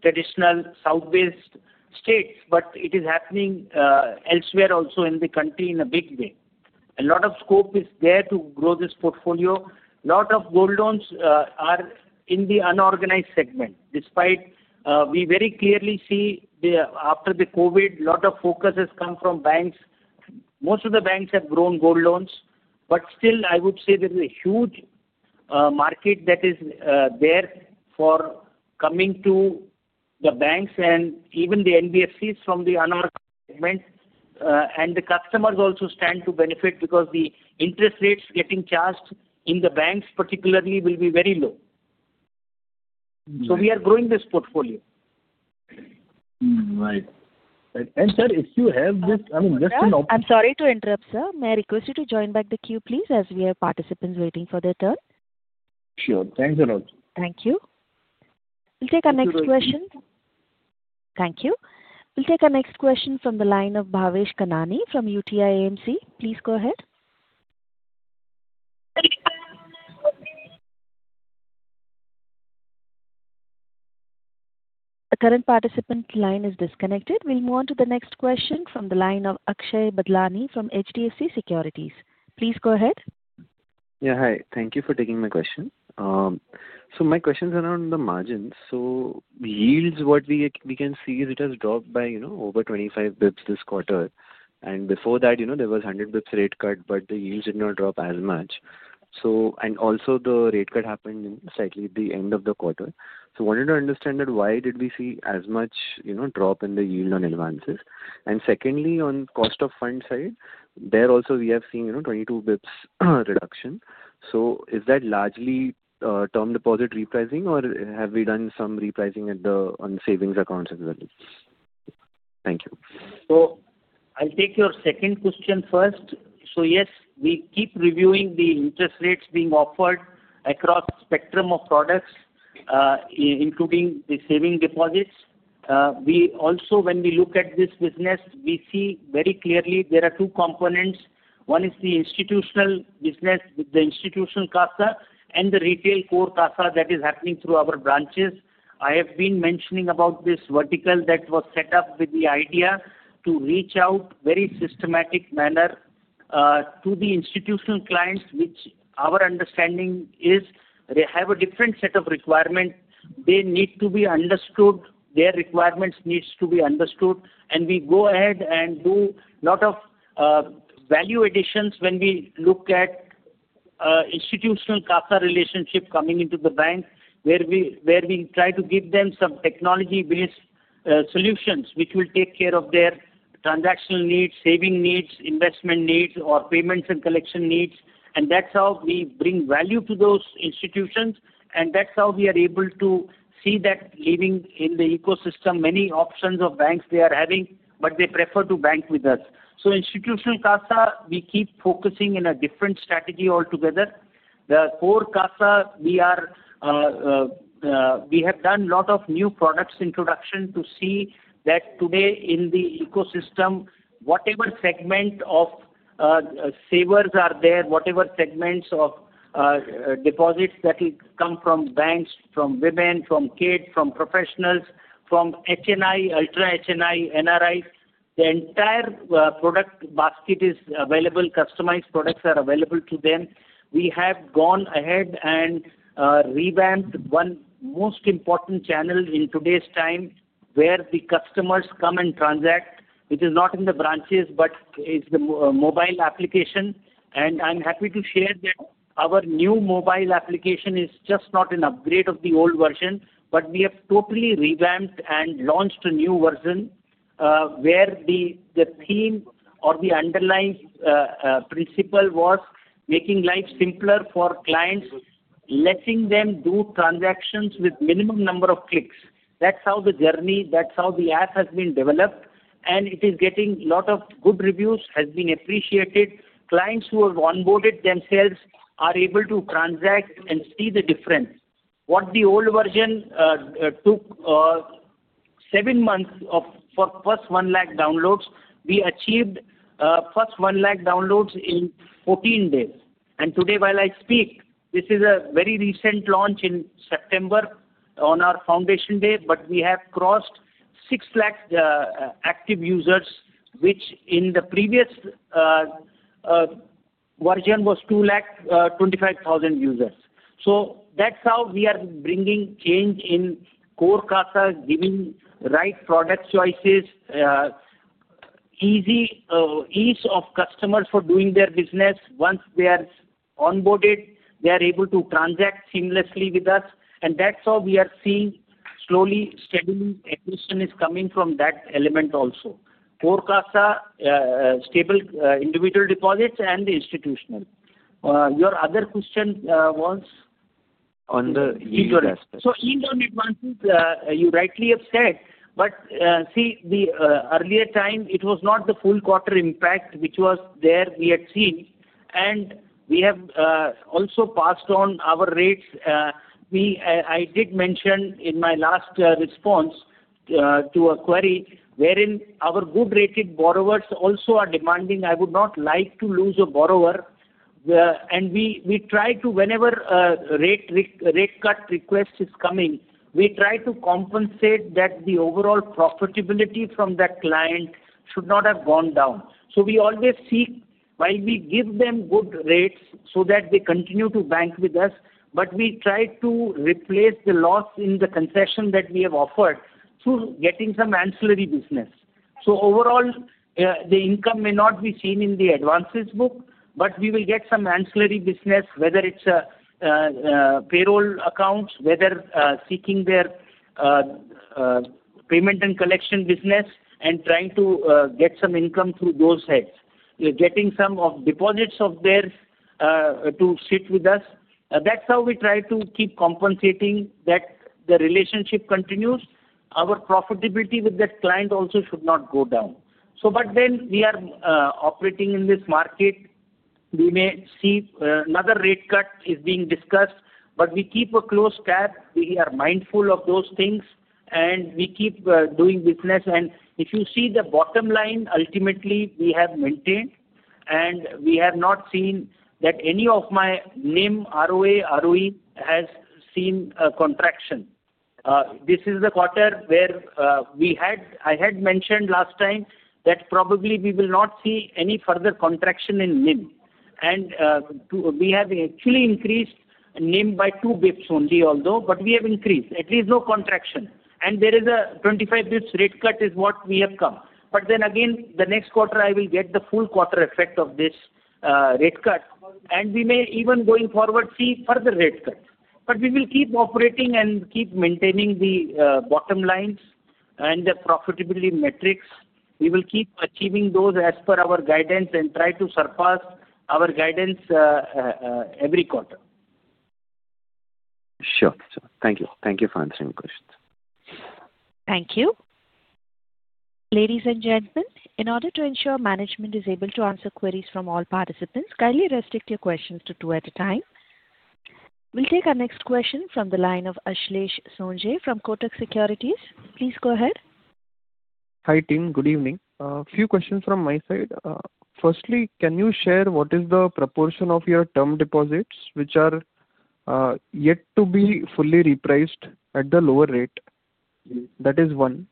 Speaker 3: traditional south-based states, but it is happening elsewhere also in the country in a big way. A lot of scope is there to grow this portfolio. A lot of gold loans are in the unorganized segment. Despite we very clearly see after the COVID, a lot of focus has come from banks. Most of the banks have grown gold loans. But still, I would say there is a huge market that is there for coming to the banks and even the NBFCs from the unorganized segment. And the customers also stand to benefit because the interest rates getting charged in the banks particularly will be very low. So we are growing this portfolio.
Speaker 9: Right. And sir, if you have this, I mean, just an opportunity.
Speaker 1: I'm sorry to interrupt, sir. May I request you to join back the queue, please, as we have participants waiting for their turn?
Speaker 9: Sure. Thanks alot.
Speaker 1: Thank you. We'll take our next question. Thank you. We'll take our next question from the line of Bhavesh Kanani from UTI AMC. Please go ahead. The current participant line is disconnected. We'll move on to the next question from the line of Akshay Badlani from HDFC Securities. Please go ahead.
Speaker 10: Yeah. Hi. Thank you for taking my question. So my question is around the margins. So yields, what we can see is it has dropped by over 25 basis points this quarter. And before that, there was 100 basis points rate cut, but the yields did not drop as much. And also, the rate cut happened slightly at the end of the quarter. So I wanted to understand that why did we see as much drop in the yield on advances? And secondly, on the cost of fund side, there also we have seen 22 basis points reduction. So is that largely term deposit repricing, or have we done some repricing on savings accounts as well? Thank you.
Speaker 3: So I'll take your second question first. So yes, we keep reviewing the interest rates being offered across spectrum of products, including the saving deposits. Also, when we look at this business, we see very clearly there are two components. One is the institutional business with the institutional CASA and the retail core CASA that is happening through our branches. I have been mentioning about this vertical that was set up with the idea to reach out in a very systematic manner to the institutional clients, which our understanding is they have a different set of requirements. They need to be understood. Their requirements need to be understood. We go ahead and do a lot of value additions when we look at institutional CASA relationship coming into the bank, where we try to give them some technology-based solutions which will take care of their transactional needs, saving needs, investment needs, or payments and collection needs. That's how we bring value to those institutions. That's how we are able to see that leaving in the ecosystem many options of banks they are having, but they prefer to bank with us. Institutional CASA, we keep focusing in a different strategy altogether. The core CASA, we have done a lot of new products introduction to see that today in the ecosystem, whatever segment of savers are there, whatever segments of deposits that will come from banks, from women, from kids, from professionals, from HNI, Ultra HNI, NRIs, the entire product basket is available. Customized products are available to them. We have gone ahead and revamped one most important channel in today's time where the customers come and transact, which is not in the branches, but is the mobile application. And I'm happy to share that our new mobile application is just not an upgrade of the old version, but we have totally revamped and launched a new version where the theme or the underlying principle was making life simpler for clients, letting them do transactions with minimum number of clicks. That's how the journey, that's how the app has been developed. And it is getting a lot of good reviews, has been appreciated. Clients who have onboarded themselves are able to transact and see the difference. What the old version took seven months for first one lakh downloads, we achieved first one lakh downloads in 14 days. And today, while I speak, this is a very recent launch in September on our foundation day, but we have crossed 6 lakh active users, which in the previous version was 2 lakh 25,000 users. So that's how we are bringing change in core CASA, giving right product choices, ease of customers for doing their business. Once they are onboarded, they are able to transact seamlessly with us. And that's how we are seeing slowly, steadily acquisition is coming from that element also. Core CASA, stable individual deposits, and the institutional. Your other question was?
Speaker 10: On the e-dollar aspect.
Speaker 3: So retail advances, you rightly have said. But see, the earlier time, it was not the full quarter impact which was there we had seen. And we have also passed on our rates. I did mention in my last response to a query wherein our good-rated borrowers also are demanding, "I would not like to lose a borrower." And we try to, whenever rate cut request is coming, we try to compensate that the overall profitability from that client should not have gone down. So we always seek while we give them good rates so that they continue to bank with us, but we try to replace the loss in the concession that we have offered through getting some ancillary business. So overall, the income may not be seen in the advances book, but we will get some ancillary business, whether it's payroll accounts, whether seeking their payment and collection business, and trying to get some income through those heads. We are getting some of deposits of theirs to sit with us. That's how we try to keep compensating that the relationship continues. Our profitability with that client also should not go down. But then we are operating in this market. We may see another rate cut is being discussed, but we keep a close tab. We are mindful of those things, and we keep doing business. And if you see the bottom line, ultimately, we have maintained, and we have not seen that any of my NIM, ROA, ROE has seen a contraction. This is the quarter where I had mentioned last time that probably we will not see any further contraction in NIM, and we have actually increased NIM by two basis points only, although, but we have increased, at least no contraction, and there is a 25 basis points rate cut, is what we have come, but then again, the next quarter, I will get the full quarter effect of this rate cut, and we may even going forward see further rate cuts, but we will keep operating and keep maintaining the bottom lines and the profitability metrics. We will keep achieving those as per our guidance and try to surpass our guidance every quarter.
Speaker 10: Sure. Sure. Thank you. Thank you for answering my question.
Speaker 1: Thank you. Ladies and gentlemen, in order to ensure management is able to answer queries from all participants, kindly restrict your questions to two at a time. We'll take our next question from the line of Ashlesh Sonje from Kotak Securities. Please go ahead.
Speaker 11: Hi team. Good evening. A few questions from my side. Firstly, can you share what is the proportion of your term deposits, which are yet to be fully repriced at the lower rate? That is one.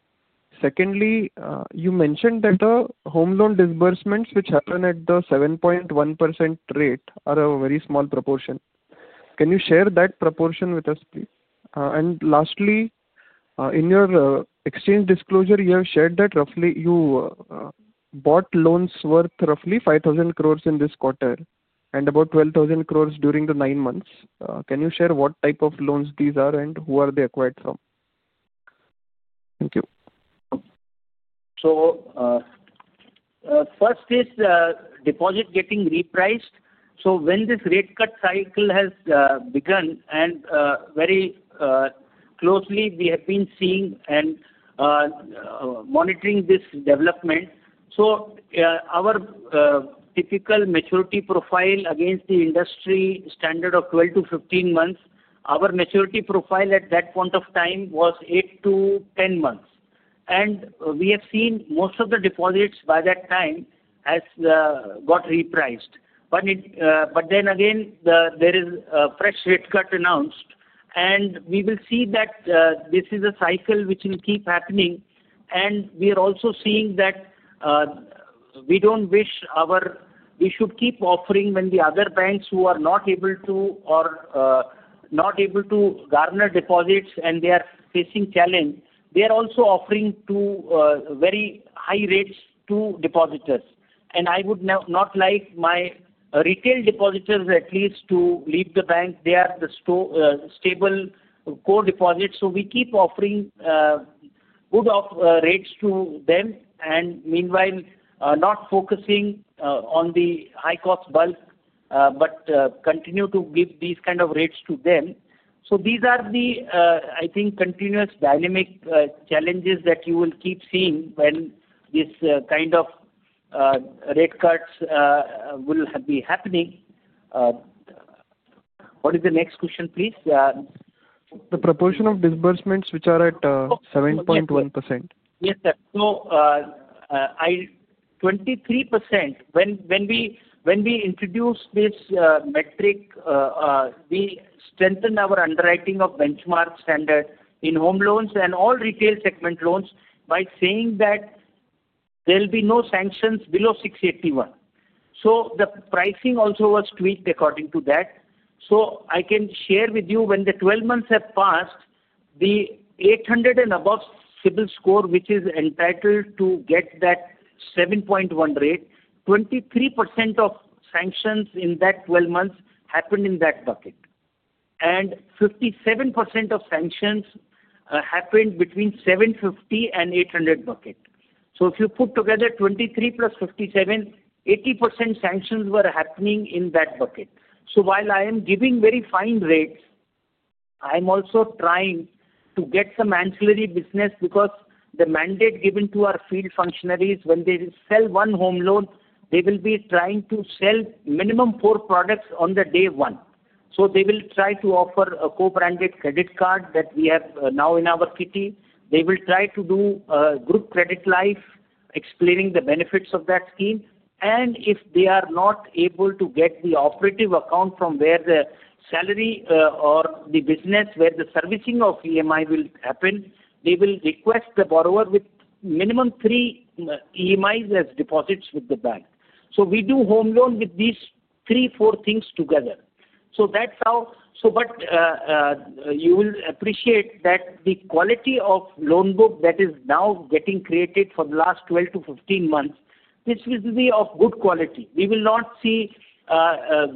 Speaker 11: Secondly, you mentioned that the home loan disbursements, which happen at the 7.1% rate, are a very small proportion. Can you share that proportion with us, please? And lastly, in your exchange disclosure, you have shared that roughly you bought loans worth roughly 5,000 crores in this quarter and about 12,000 crores during the nine months. Can you share what type of loans these are and who are they acquired from? Thank you.
Speaker 3: First is deposit getting repriced. When this rate cut cycle has begun, and very closely we have been seeing and monitoring this development. Our typical maturity profile against the industry standard of 12 months-15 months, our maturity profile at that point of time was eight months to 10 months. We have seen most of the deposits by that time have got repriced. Then again, there is a fresh rate cut announced, and we will see that this is a cycle which will keep happening. We are also seeing that we don't wish our we should keep offering when the other banks who are not able to garner deposits and they are facing challenge, they are also offering very high rates to depositors. I would not like my retail depositors at least to leave the bank. They are the stable core deposits. So we keep offering good rates to them and meanwhile not focusing on the high-cost bulk, but continue to give these kind of rates to them. So these are the, I think, continuous dynamic challenges that you will keep seeing when this kind of rate cuts will be happening. What is the next question, please?
Speaker 11: The proportion of disbursements which are at 7.1%.
Speaker 3: Yes, sir. So, 23%. When we introduce this metric, we strengthen our underwriting of benchmark standard in home loans and all retail segment loans by saying that there will be no sanctions below 681. So the pricing also was tweaked according to that. So I can share with you when the 12 months have passed, the 800 and above CIBIL score, which is entitled to get that 7.1 rate, 23% of sanctions in that 12 months happened in that bucket. And 57% of sanctions happened between 750 and 800 bucket. So if you put together 23% plus 57%, 80% sanctions were happening in that bucket. So while I am giving very fine rates, I am also trying to get some ancillary business because the mandate given to our field functionaries, when they sell one home loan, they will be trying to sell minimum four products on the day one. So they will try to offer a co-branded credit card that we have now in our kitty. They will try to do a group credit life, explaining the benefits of that scheme. And if they are not able to get the operative account from where the salary or the business where the servicing of EMI will happen, they will request the borrower with minimum three EMIs as deposits with the bank. So we do home loan with these three, four things together. So that's how. But you will appreciate that the quality of loan book that is now getting created for the last 12 months-15 months; this will be of good quality. We will not see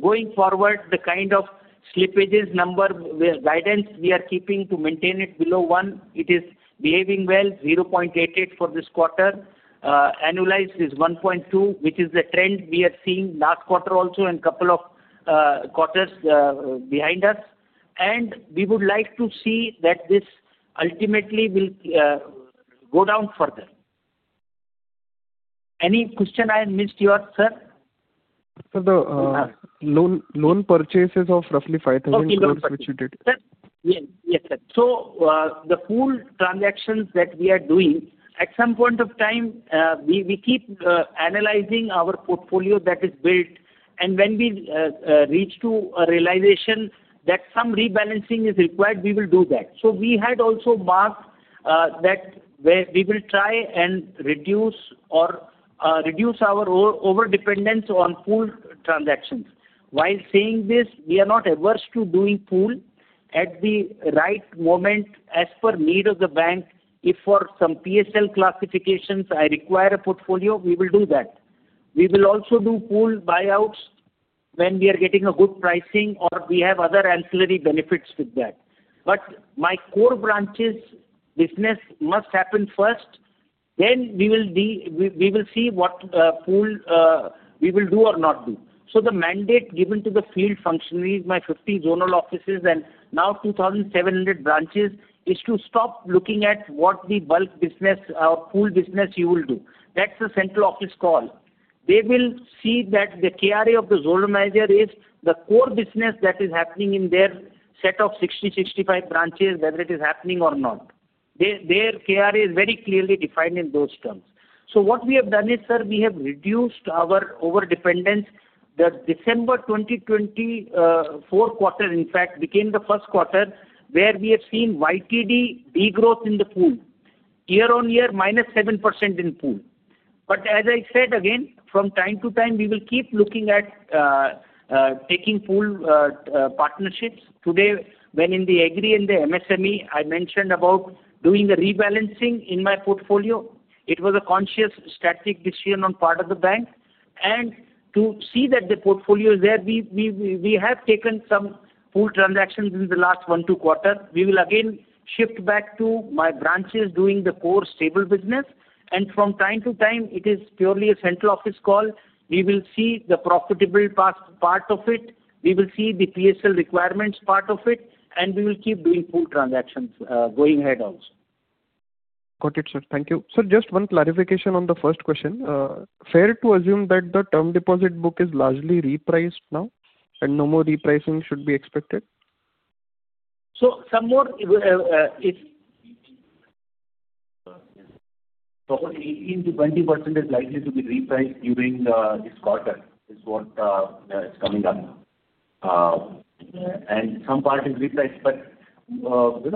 Speaker 3: going forward the kind of slippages number guidance we are keeping to maintain it below one. It is behaving well, 0.88 for this quarter. Annualized is 1.2, which is the trend we are seeing last quarter also and a couple of quarters behind us, and we would like to see that this ultimately will go down further. Any question I missed, yours, sir?
Speaker 11: Sir, the loan purchases of roughly 5,000 crores, which you did.
Speaker 3: Yes, sir. So the full transactions that we are doing, at some point of time, we keep analyzing our portfolio that is built. And when we reach to a realization that some rebalancing is required, we will do that. So we had also marked that we will try and reduce our overdependence on pool transactions. While saying this, we are not averse to doing pool at the right moment as per need of the bank. If for some PSL classifications, I require a portfolio, we will do that. We will also do pool buyouts when we are getting a good pricing or we have other ancillary benefits with that. But my core branches business must happen first. Then we will see what pool we will do or not do. So the mandate given to the field functionaries, my 50 zonal offices, and now 2,700 branches is to stop looking at what the bulk business or pool business you will do. That's the central office call. They will see that the KRA of the zonal manager is the core business that is happening in their set of 60-65 branches, whether it is happening or not. Their KRA is very clearly defined in those terms. So what we have done is, sir, we have reduced our overdependence. The December 2020 fourth quarter, in fact, became the first quarter where we have seen YTD degrowth in the pool. Year on year, -7% in pool. But as I said, again, from time to time, we will keep looking at taking pool partnerships. Today, when in the agri and the MSME, I mentioned about doing a rebalancing in my portfolio. It was a conscious strategic decision on the part of the bank, and to see that the portfolio is there, we have taken some pool transactions in the last one-two quarters. We will again shift back to my branches doing the core stable business, and from time to time, it is purely a central office call. We will see the profitable part of it. We will see the PSL requirements part of it, and we will keep doing pool transactions going ahead also.
Speaker 11: Got it, sir. Thank you. Sir, just one clarification on the first question. Fair to assume that the term deposit book is largely repriced now and no more repricing should be expected?
Speaker 3: So some more is 18%-20% is likely to be repriced during this quarter is what is coming up. And some part is repriced. But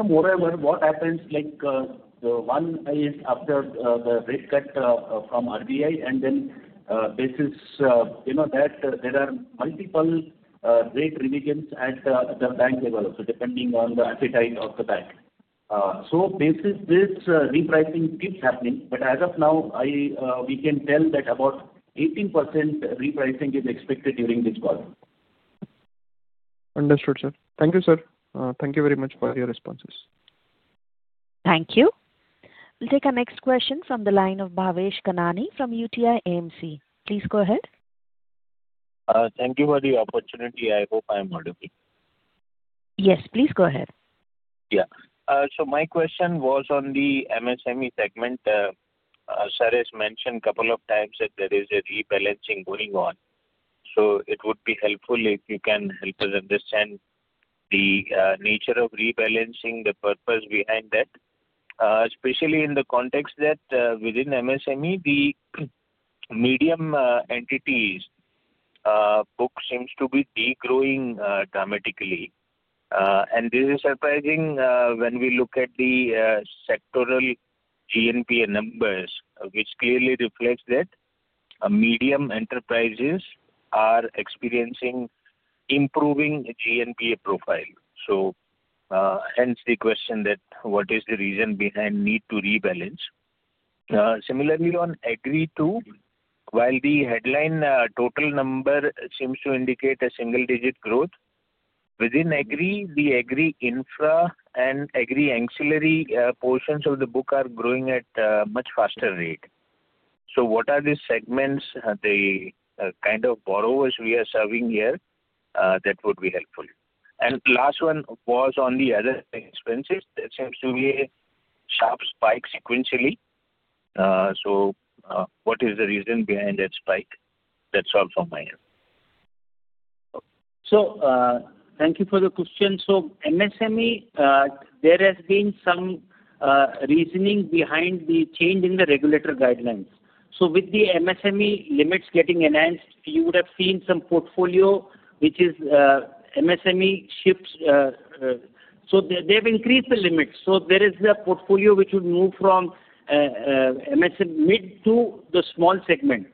Speaker 3: moreover, what happens like the one is after the rate cut from RBI and then basis that there are multiple rate revisions at the bank level also depending on the appetite of the bank. So basis this repricing keeps happening. But as of now, we can tell that about 18% repricing is expected during this quarter.
Speaker 11: Understood, sir. Thank you, sir. Thank you very much for your responses.
Speaker 1: Thank you. We'll take our next question from the line of Bhavesh Kanani from UTI AMC. Please go ahead.
Speaker 12: Thank you for the opportunity. I hope I am audible.
Speaker 1: Yes, please go ahead.
Speaker 12: Yeah. So my question was on the MSME segment. Sir has mentioned a couple of times that there is a rebalancing going on. So it would be helpful if you can help us understand the nature of rebalancing, the purpose behind that, especially in the context that within MSME, the medium entities book seems to be degrowing dramatically. And this is surprising when we look at the sectoral GNPA numbers, which clearly reflects that medium enterprises are experiencing improving GNPA profile. So hence the question that what is the reason behind need to rebalance. Similarly, on Agri too, while the headline total number seems to indicate a single-digit growth, within Agri, the Agri infra and Agri ancillary portions of the book are growing at a much faster rate. So what are the segments, the kind of borrowers we are serving here? That would be helpful. Last one was on the other expenses. That seems to be a sharp spike sequentially. What is the reason behind that spike? That's all from my end.
Speaker 3: Thank you for the question. MSME, there has been some reasoning behind the change in the regulator guidelines. With the MSME limits getting enhanced, you would have seen some portfolio, which is MSME shifts. They have increased the limits. There is a portfolio which would move from mid to the small segment.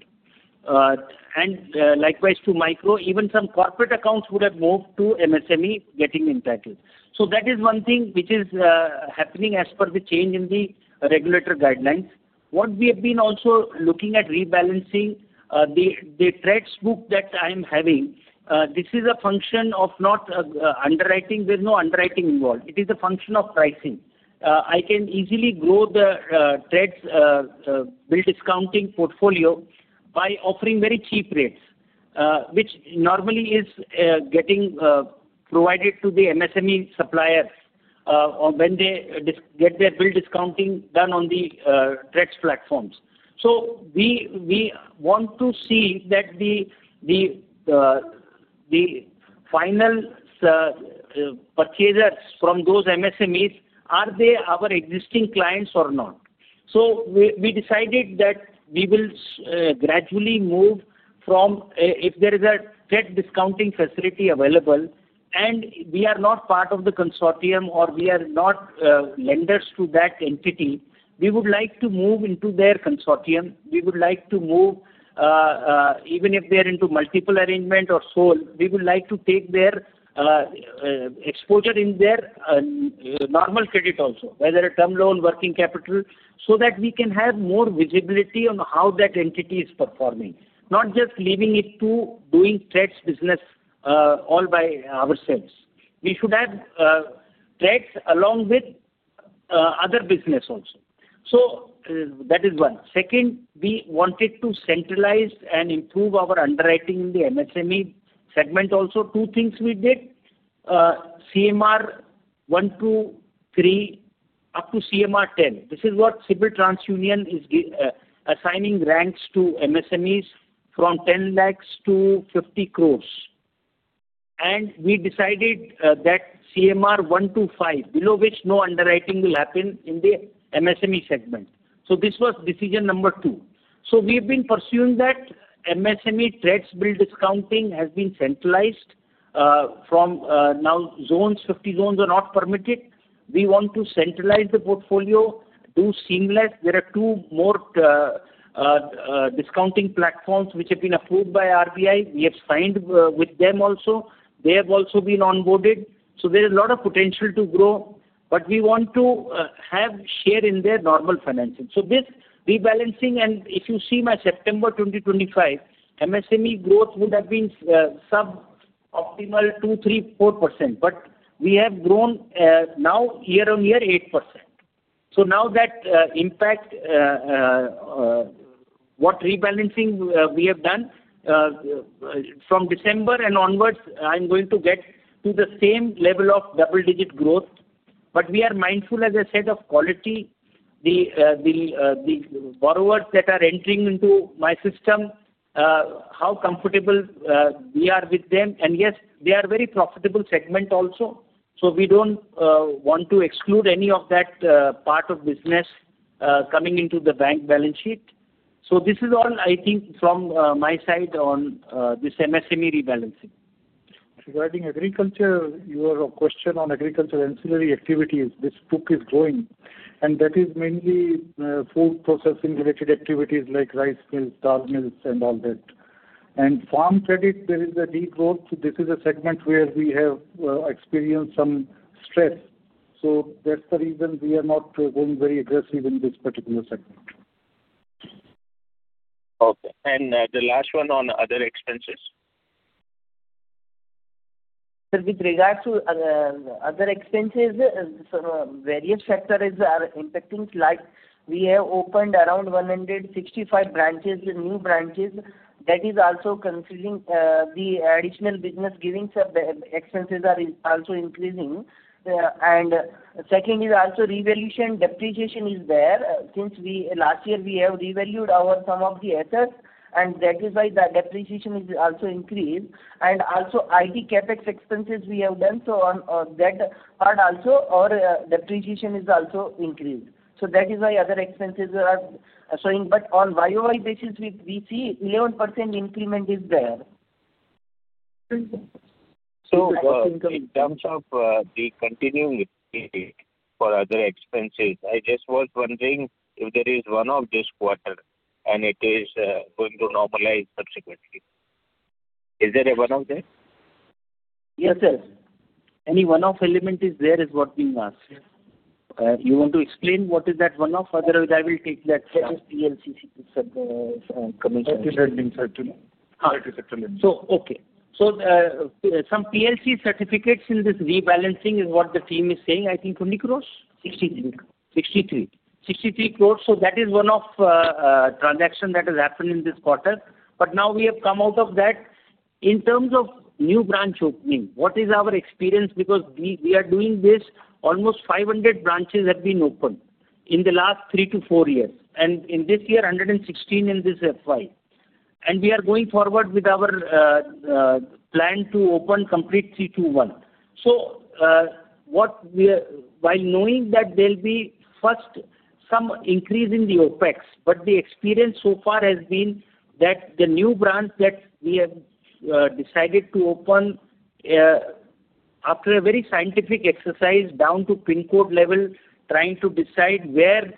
Speaker 3: Likewise to micro, even some corporate accounts would have moved to MSME getting entitled. That is one thing which is happening as per the change in the regulator guidelines. What we have been also looking at rebalancing, the TReDS book that I am having, this is a function of not underwriting. There is no underwriting involved. It is a function of pricing. I can easily grow the TReDS bill discounting portfolio by offering very cheap rates, which normally is getting provided to the MSME suppliers when they get their bill discounting done on the TReDS platforms. So we want to see that the final purchasers from those MSMEs, are they our existing clients or not? So we decided that we will gradually move from if there is a TReDS discounting facility available, and we are not part of the consortium or we are not lenders to that entity, we would like to move into their consortium. We would like to move, even if they are into multiple arrangement or sole, we would like to take their exposure in their normal credit also, whether a term loan, working capital, so that we can have more visibility on how that entity is performing, not just leaving it to doing TReDS business all by ourselves. We should have TReDS along with other business also. So that is one. Second, we wanted to centralize and improve our underwriting in the MSME segment also. Two things we did, CMR 1 to 3 up to CMR 10. This is what TransUnion CIBIL is assigning ranks to MSMEs from 10 lakhs to 50 crores. And we decided that CMR 1 to 5 below which no underwriting will happen in the MSME segment. So this was decision number two. So we have been pursuing that. MSME TReDS bill discounting has been centralized from now on. Zones, 50 zones are not permitted. We want to centralize the portfolio, do seamless. There are two more discounting platforms which have been approved by RBI. We have signed with them also. They have also been onboarded. So there is a lot of potential to grow, but we want to have share in their normal financing. So, this rebalancing, and if you see my September 2025 MSME growth would have been sub-optimal two, three, 4%, but we have grown now year on year 8%. So now that impact, what rebalancing we have done from December and onwards, I'm going to get to the same level of double-digit growth. But we are mindful, as I said, of quality. The borrowers that are entering into my system, how comfortable we are with them. And yes, they are a very profitable segment also. So we don't want to exclude any of that part of business coming into the bank balance sheet. So this is all, I think, from my side on this MSME rebalancing.
Speaker 6: Regarding agriculture, your question on agriculture ancillary activities, this book is growing, and that is mainly food processing-related activities like rice mills, dal mills, and all that, and farm credit, there is a degrowth. This is a segment where we have experienced some stress, so that's the reason we are not going very aggressive in this particular segment.
Speaker 12: Okay, and the last one on other expenses.
Speaker 3: Sir, with regard to other expenses, various factors are impacting. Like, we have opened around 165 new branches. That is also considering the additional business giving expenses are also increasing. And second is also revaluation depreciation is there. Since last year, we have revalued some of the assets, and that is why the depreciation is also increased. And also IT CapEx expenses we have done. So on that part also, our depreciation is also increased. So that is why other expenses are showing, but on YoY basis, we see 11% increment is there.
Speaker 12: So in terms of the continuing for other expenses, I just was wondering if there is one-off this quarter and it is going to normalize subsequently. Is there a one-off that?
Speaker 3: Yes, sir. Any one-off element is there? Is what being asked. You want to explain what is that one-off? Otherwise, I will take that.
Speaker 5: It's a PSLC certificate commission.
Speaker 6: It's a lending certificate.
Speaker 3: Some PSL certificates in this rebalancing is what the team is saying, I think, 20 crore?
Speaker 5: 63.
Speaker 3: 63 crores. That is one-off transaction that has happened in this quarter. Now we have come out of that. In terms of new branch opening, what is our experience? Because we are doing this, almost 500 branches have been opened in the last three to four years. In this year, 116 in this FY. We are going forward with our plan to open complete 321. While knowing that there will be first some increase in the OpEx, the experience so far has been that the new branch that we have decided to open after a very scientific exercise down to PIN code level, trying to decide where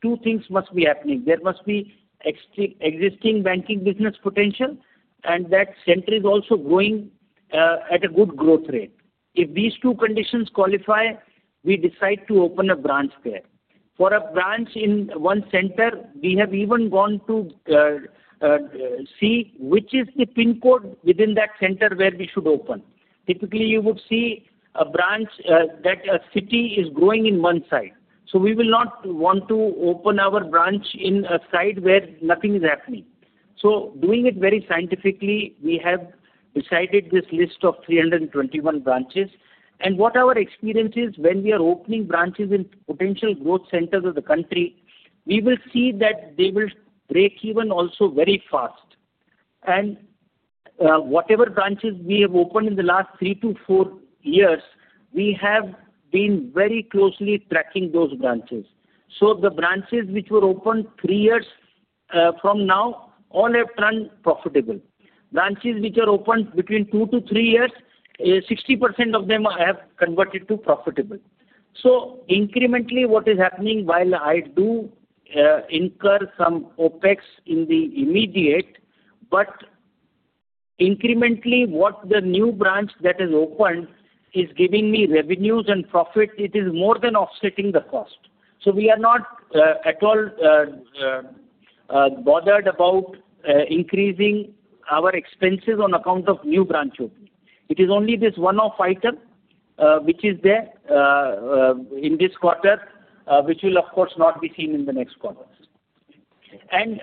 Speaker 3: two things must be happening. There must be existing banking business potential, and that center is also growing at a good growth rate. If these two conditions qualify, we decide to open a branch there. For a branch in one center, we have even gone to see which is the PIN code within that center where we should open. Typically, you would see a branch that a city is growing in one side, so we will not want to open our branch in a side where nothing is happening, so doing it very scientifically, we have decided this list of 321 branches, and what our experience is when we are opening branches in potential growth centers of the country, we will see that they will break even also very fast, and whatever branches we have opened in the last three to four years, we have been very closely tracking those branches, so the branches which were opened three years from now all have turned profitable. Branches which are opened between two to three years, 60% of them have converted to profitable. So incrementally, what is happening while I do incur some OpEx in the immediate, but incrementally, what the new branch that has opened is giving me revenues and profit, it is more than offsetting the cost. So we are not at all bothered about increasing our expenses on account of new branch opening. It is only this one-off item which is there in this quarter, which will of course not be seen in the next quarter. And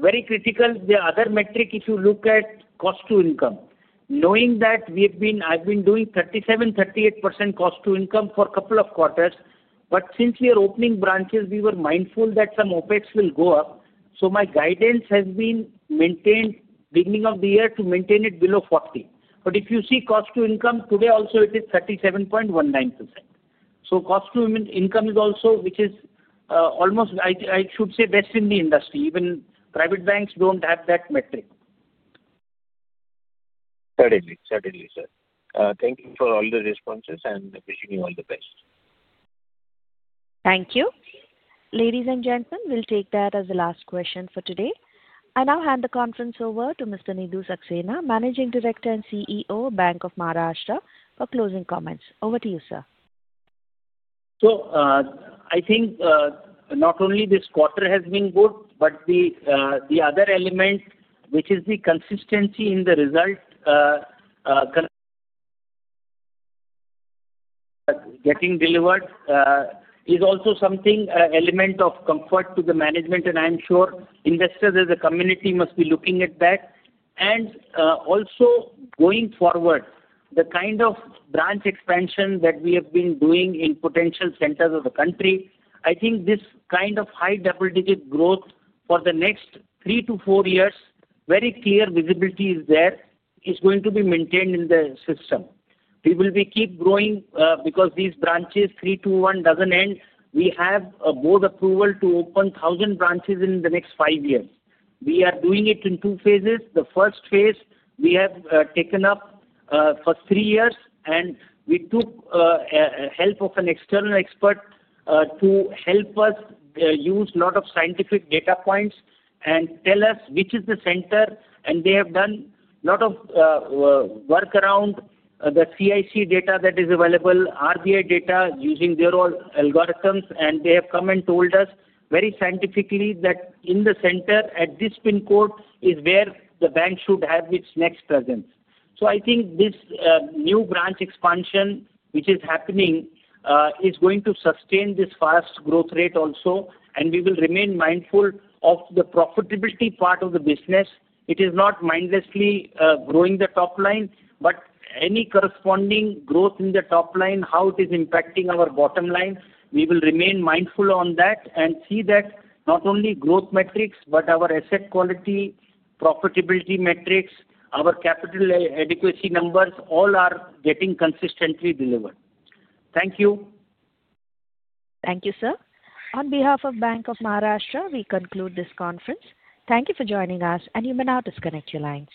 Speaker 3: very critical, the other metric, if you look at cost to income, knowing that I've been doing 37%-38% cost to income for a couple of quarters, but since we are opening branches, we were mindful that some OpEx will go up. So my guidance has been maintained beginning of the year to maintain it below 40%. But if you see cost to income, today also it is 37.19%. Cost to income is also, which is almost, I should say, best in the industry. Even private banks don't have that metric.
Speaker 12: Certainly, certainly, sir. Thank you for all the responses and wishing you all the best.
Speaker 1: Thank you. Ladies and gentlemen, we'll take that as the last question for today. I now hand the conference over to Mr. Nidhu Saxena, Managing Director and CEO, Bank of Maharashtra, for closing comments. Over to you, sir.
Speaker 3: So I think not only this quarter has been good, but the other element, which is the consistency in the result getting delivered, is also something, an element of comfort to the management. And I'm sure investors as a community must be looking at that. And also going forward, the kind of branch expansion that we have been doing in potential centers of the country, I think this kind of high double-digit growth for the next three to four years, very clear visibility is there, is going to be maintained in the system. We will keep growing because these branches, 321 doesn't end. We have board approval to open 1,000 branches in the next five years. We are doing it in two phases. The first phase, we have taken up for three years, and we took help of an external expert to help us use a lot of scientific data points and tell us which is the center. And they have done a lot of work around the CIC data that is available, RBI data using their own algorithms. And they have come and told us very scientifically that in the center, at this PIN code, is where the bank should have its next presence. So I think this new branch expansion, which is happening, is going to sustain this fast growth rate also. And we will remain mindful of the profitability part of the business. It is not mindlessly growing the top line, but any corresponding growth in the top line, how it is impacting our bottom line, we will remain mindful on that and see that not only growth metrics, but our asset quality, profitability metrics, our capital adequacy numbers, all are getting consistently delivered. Thank you.
Speaker 1: Thank you, sir. On behalf of Bank of Maharashtra, we conclude this conference. Thank you for joining us, and you may now disconnect your lines.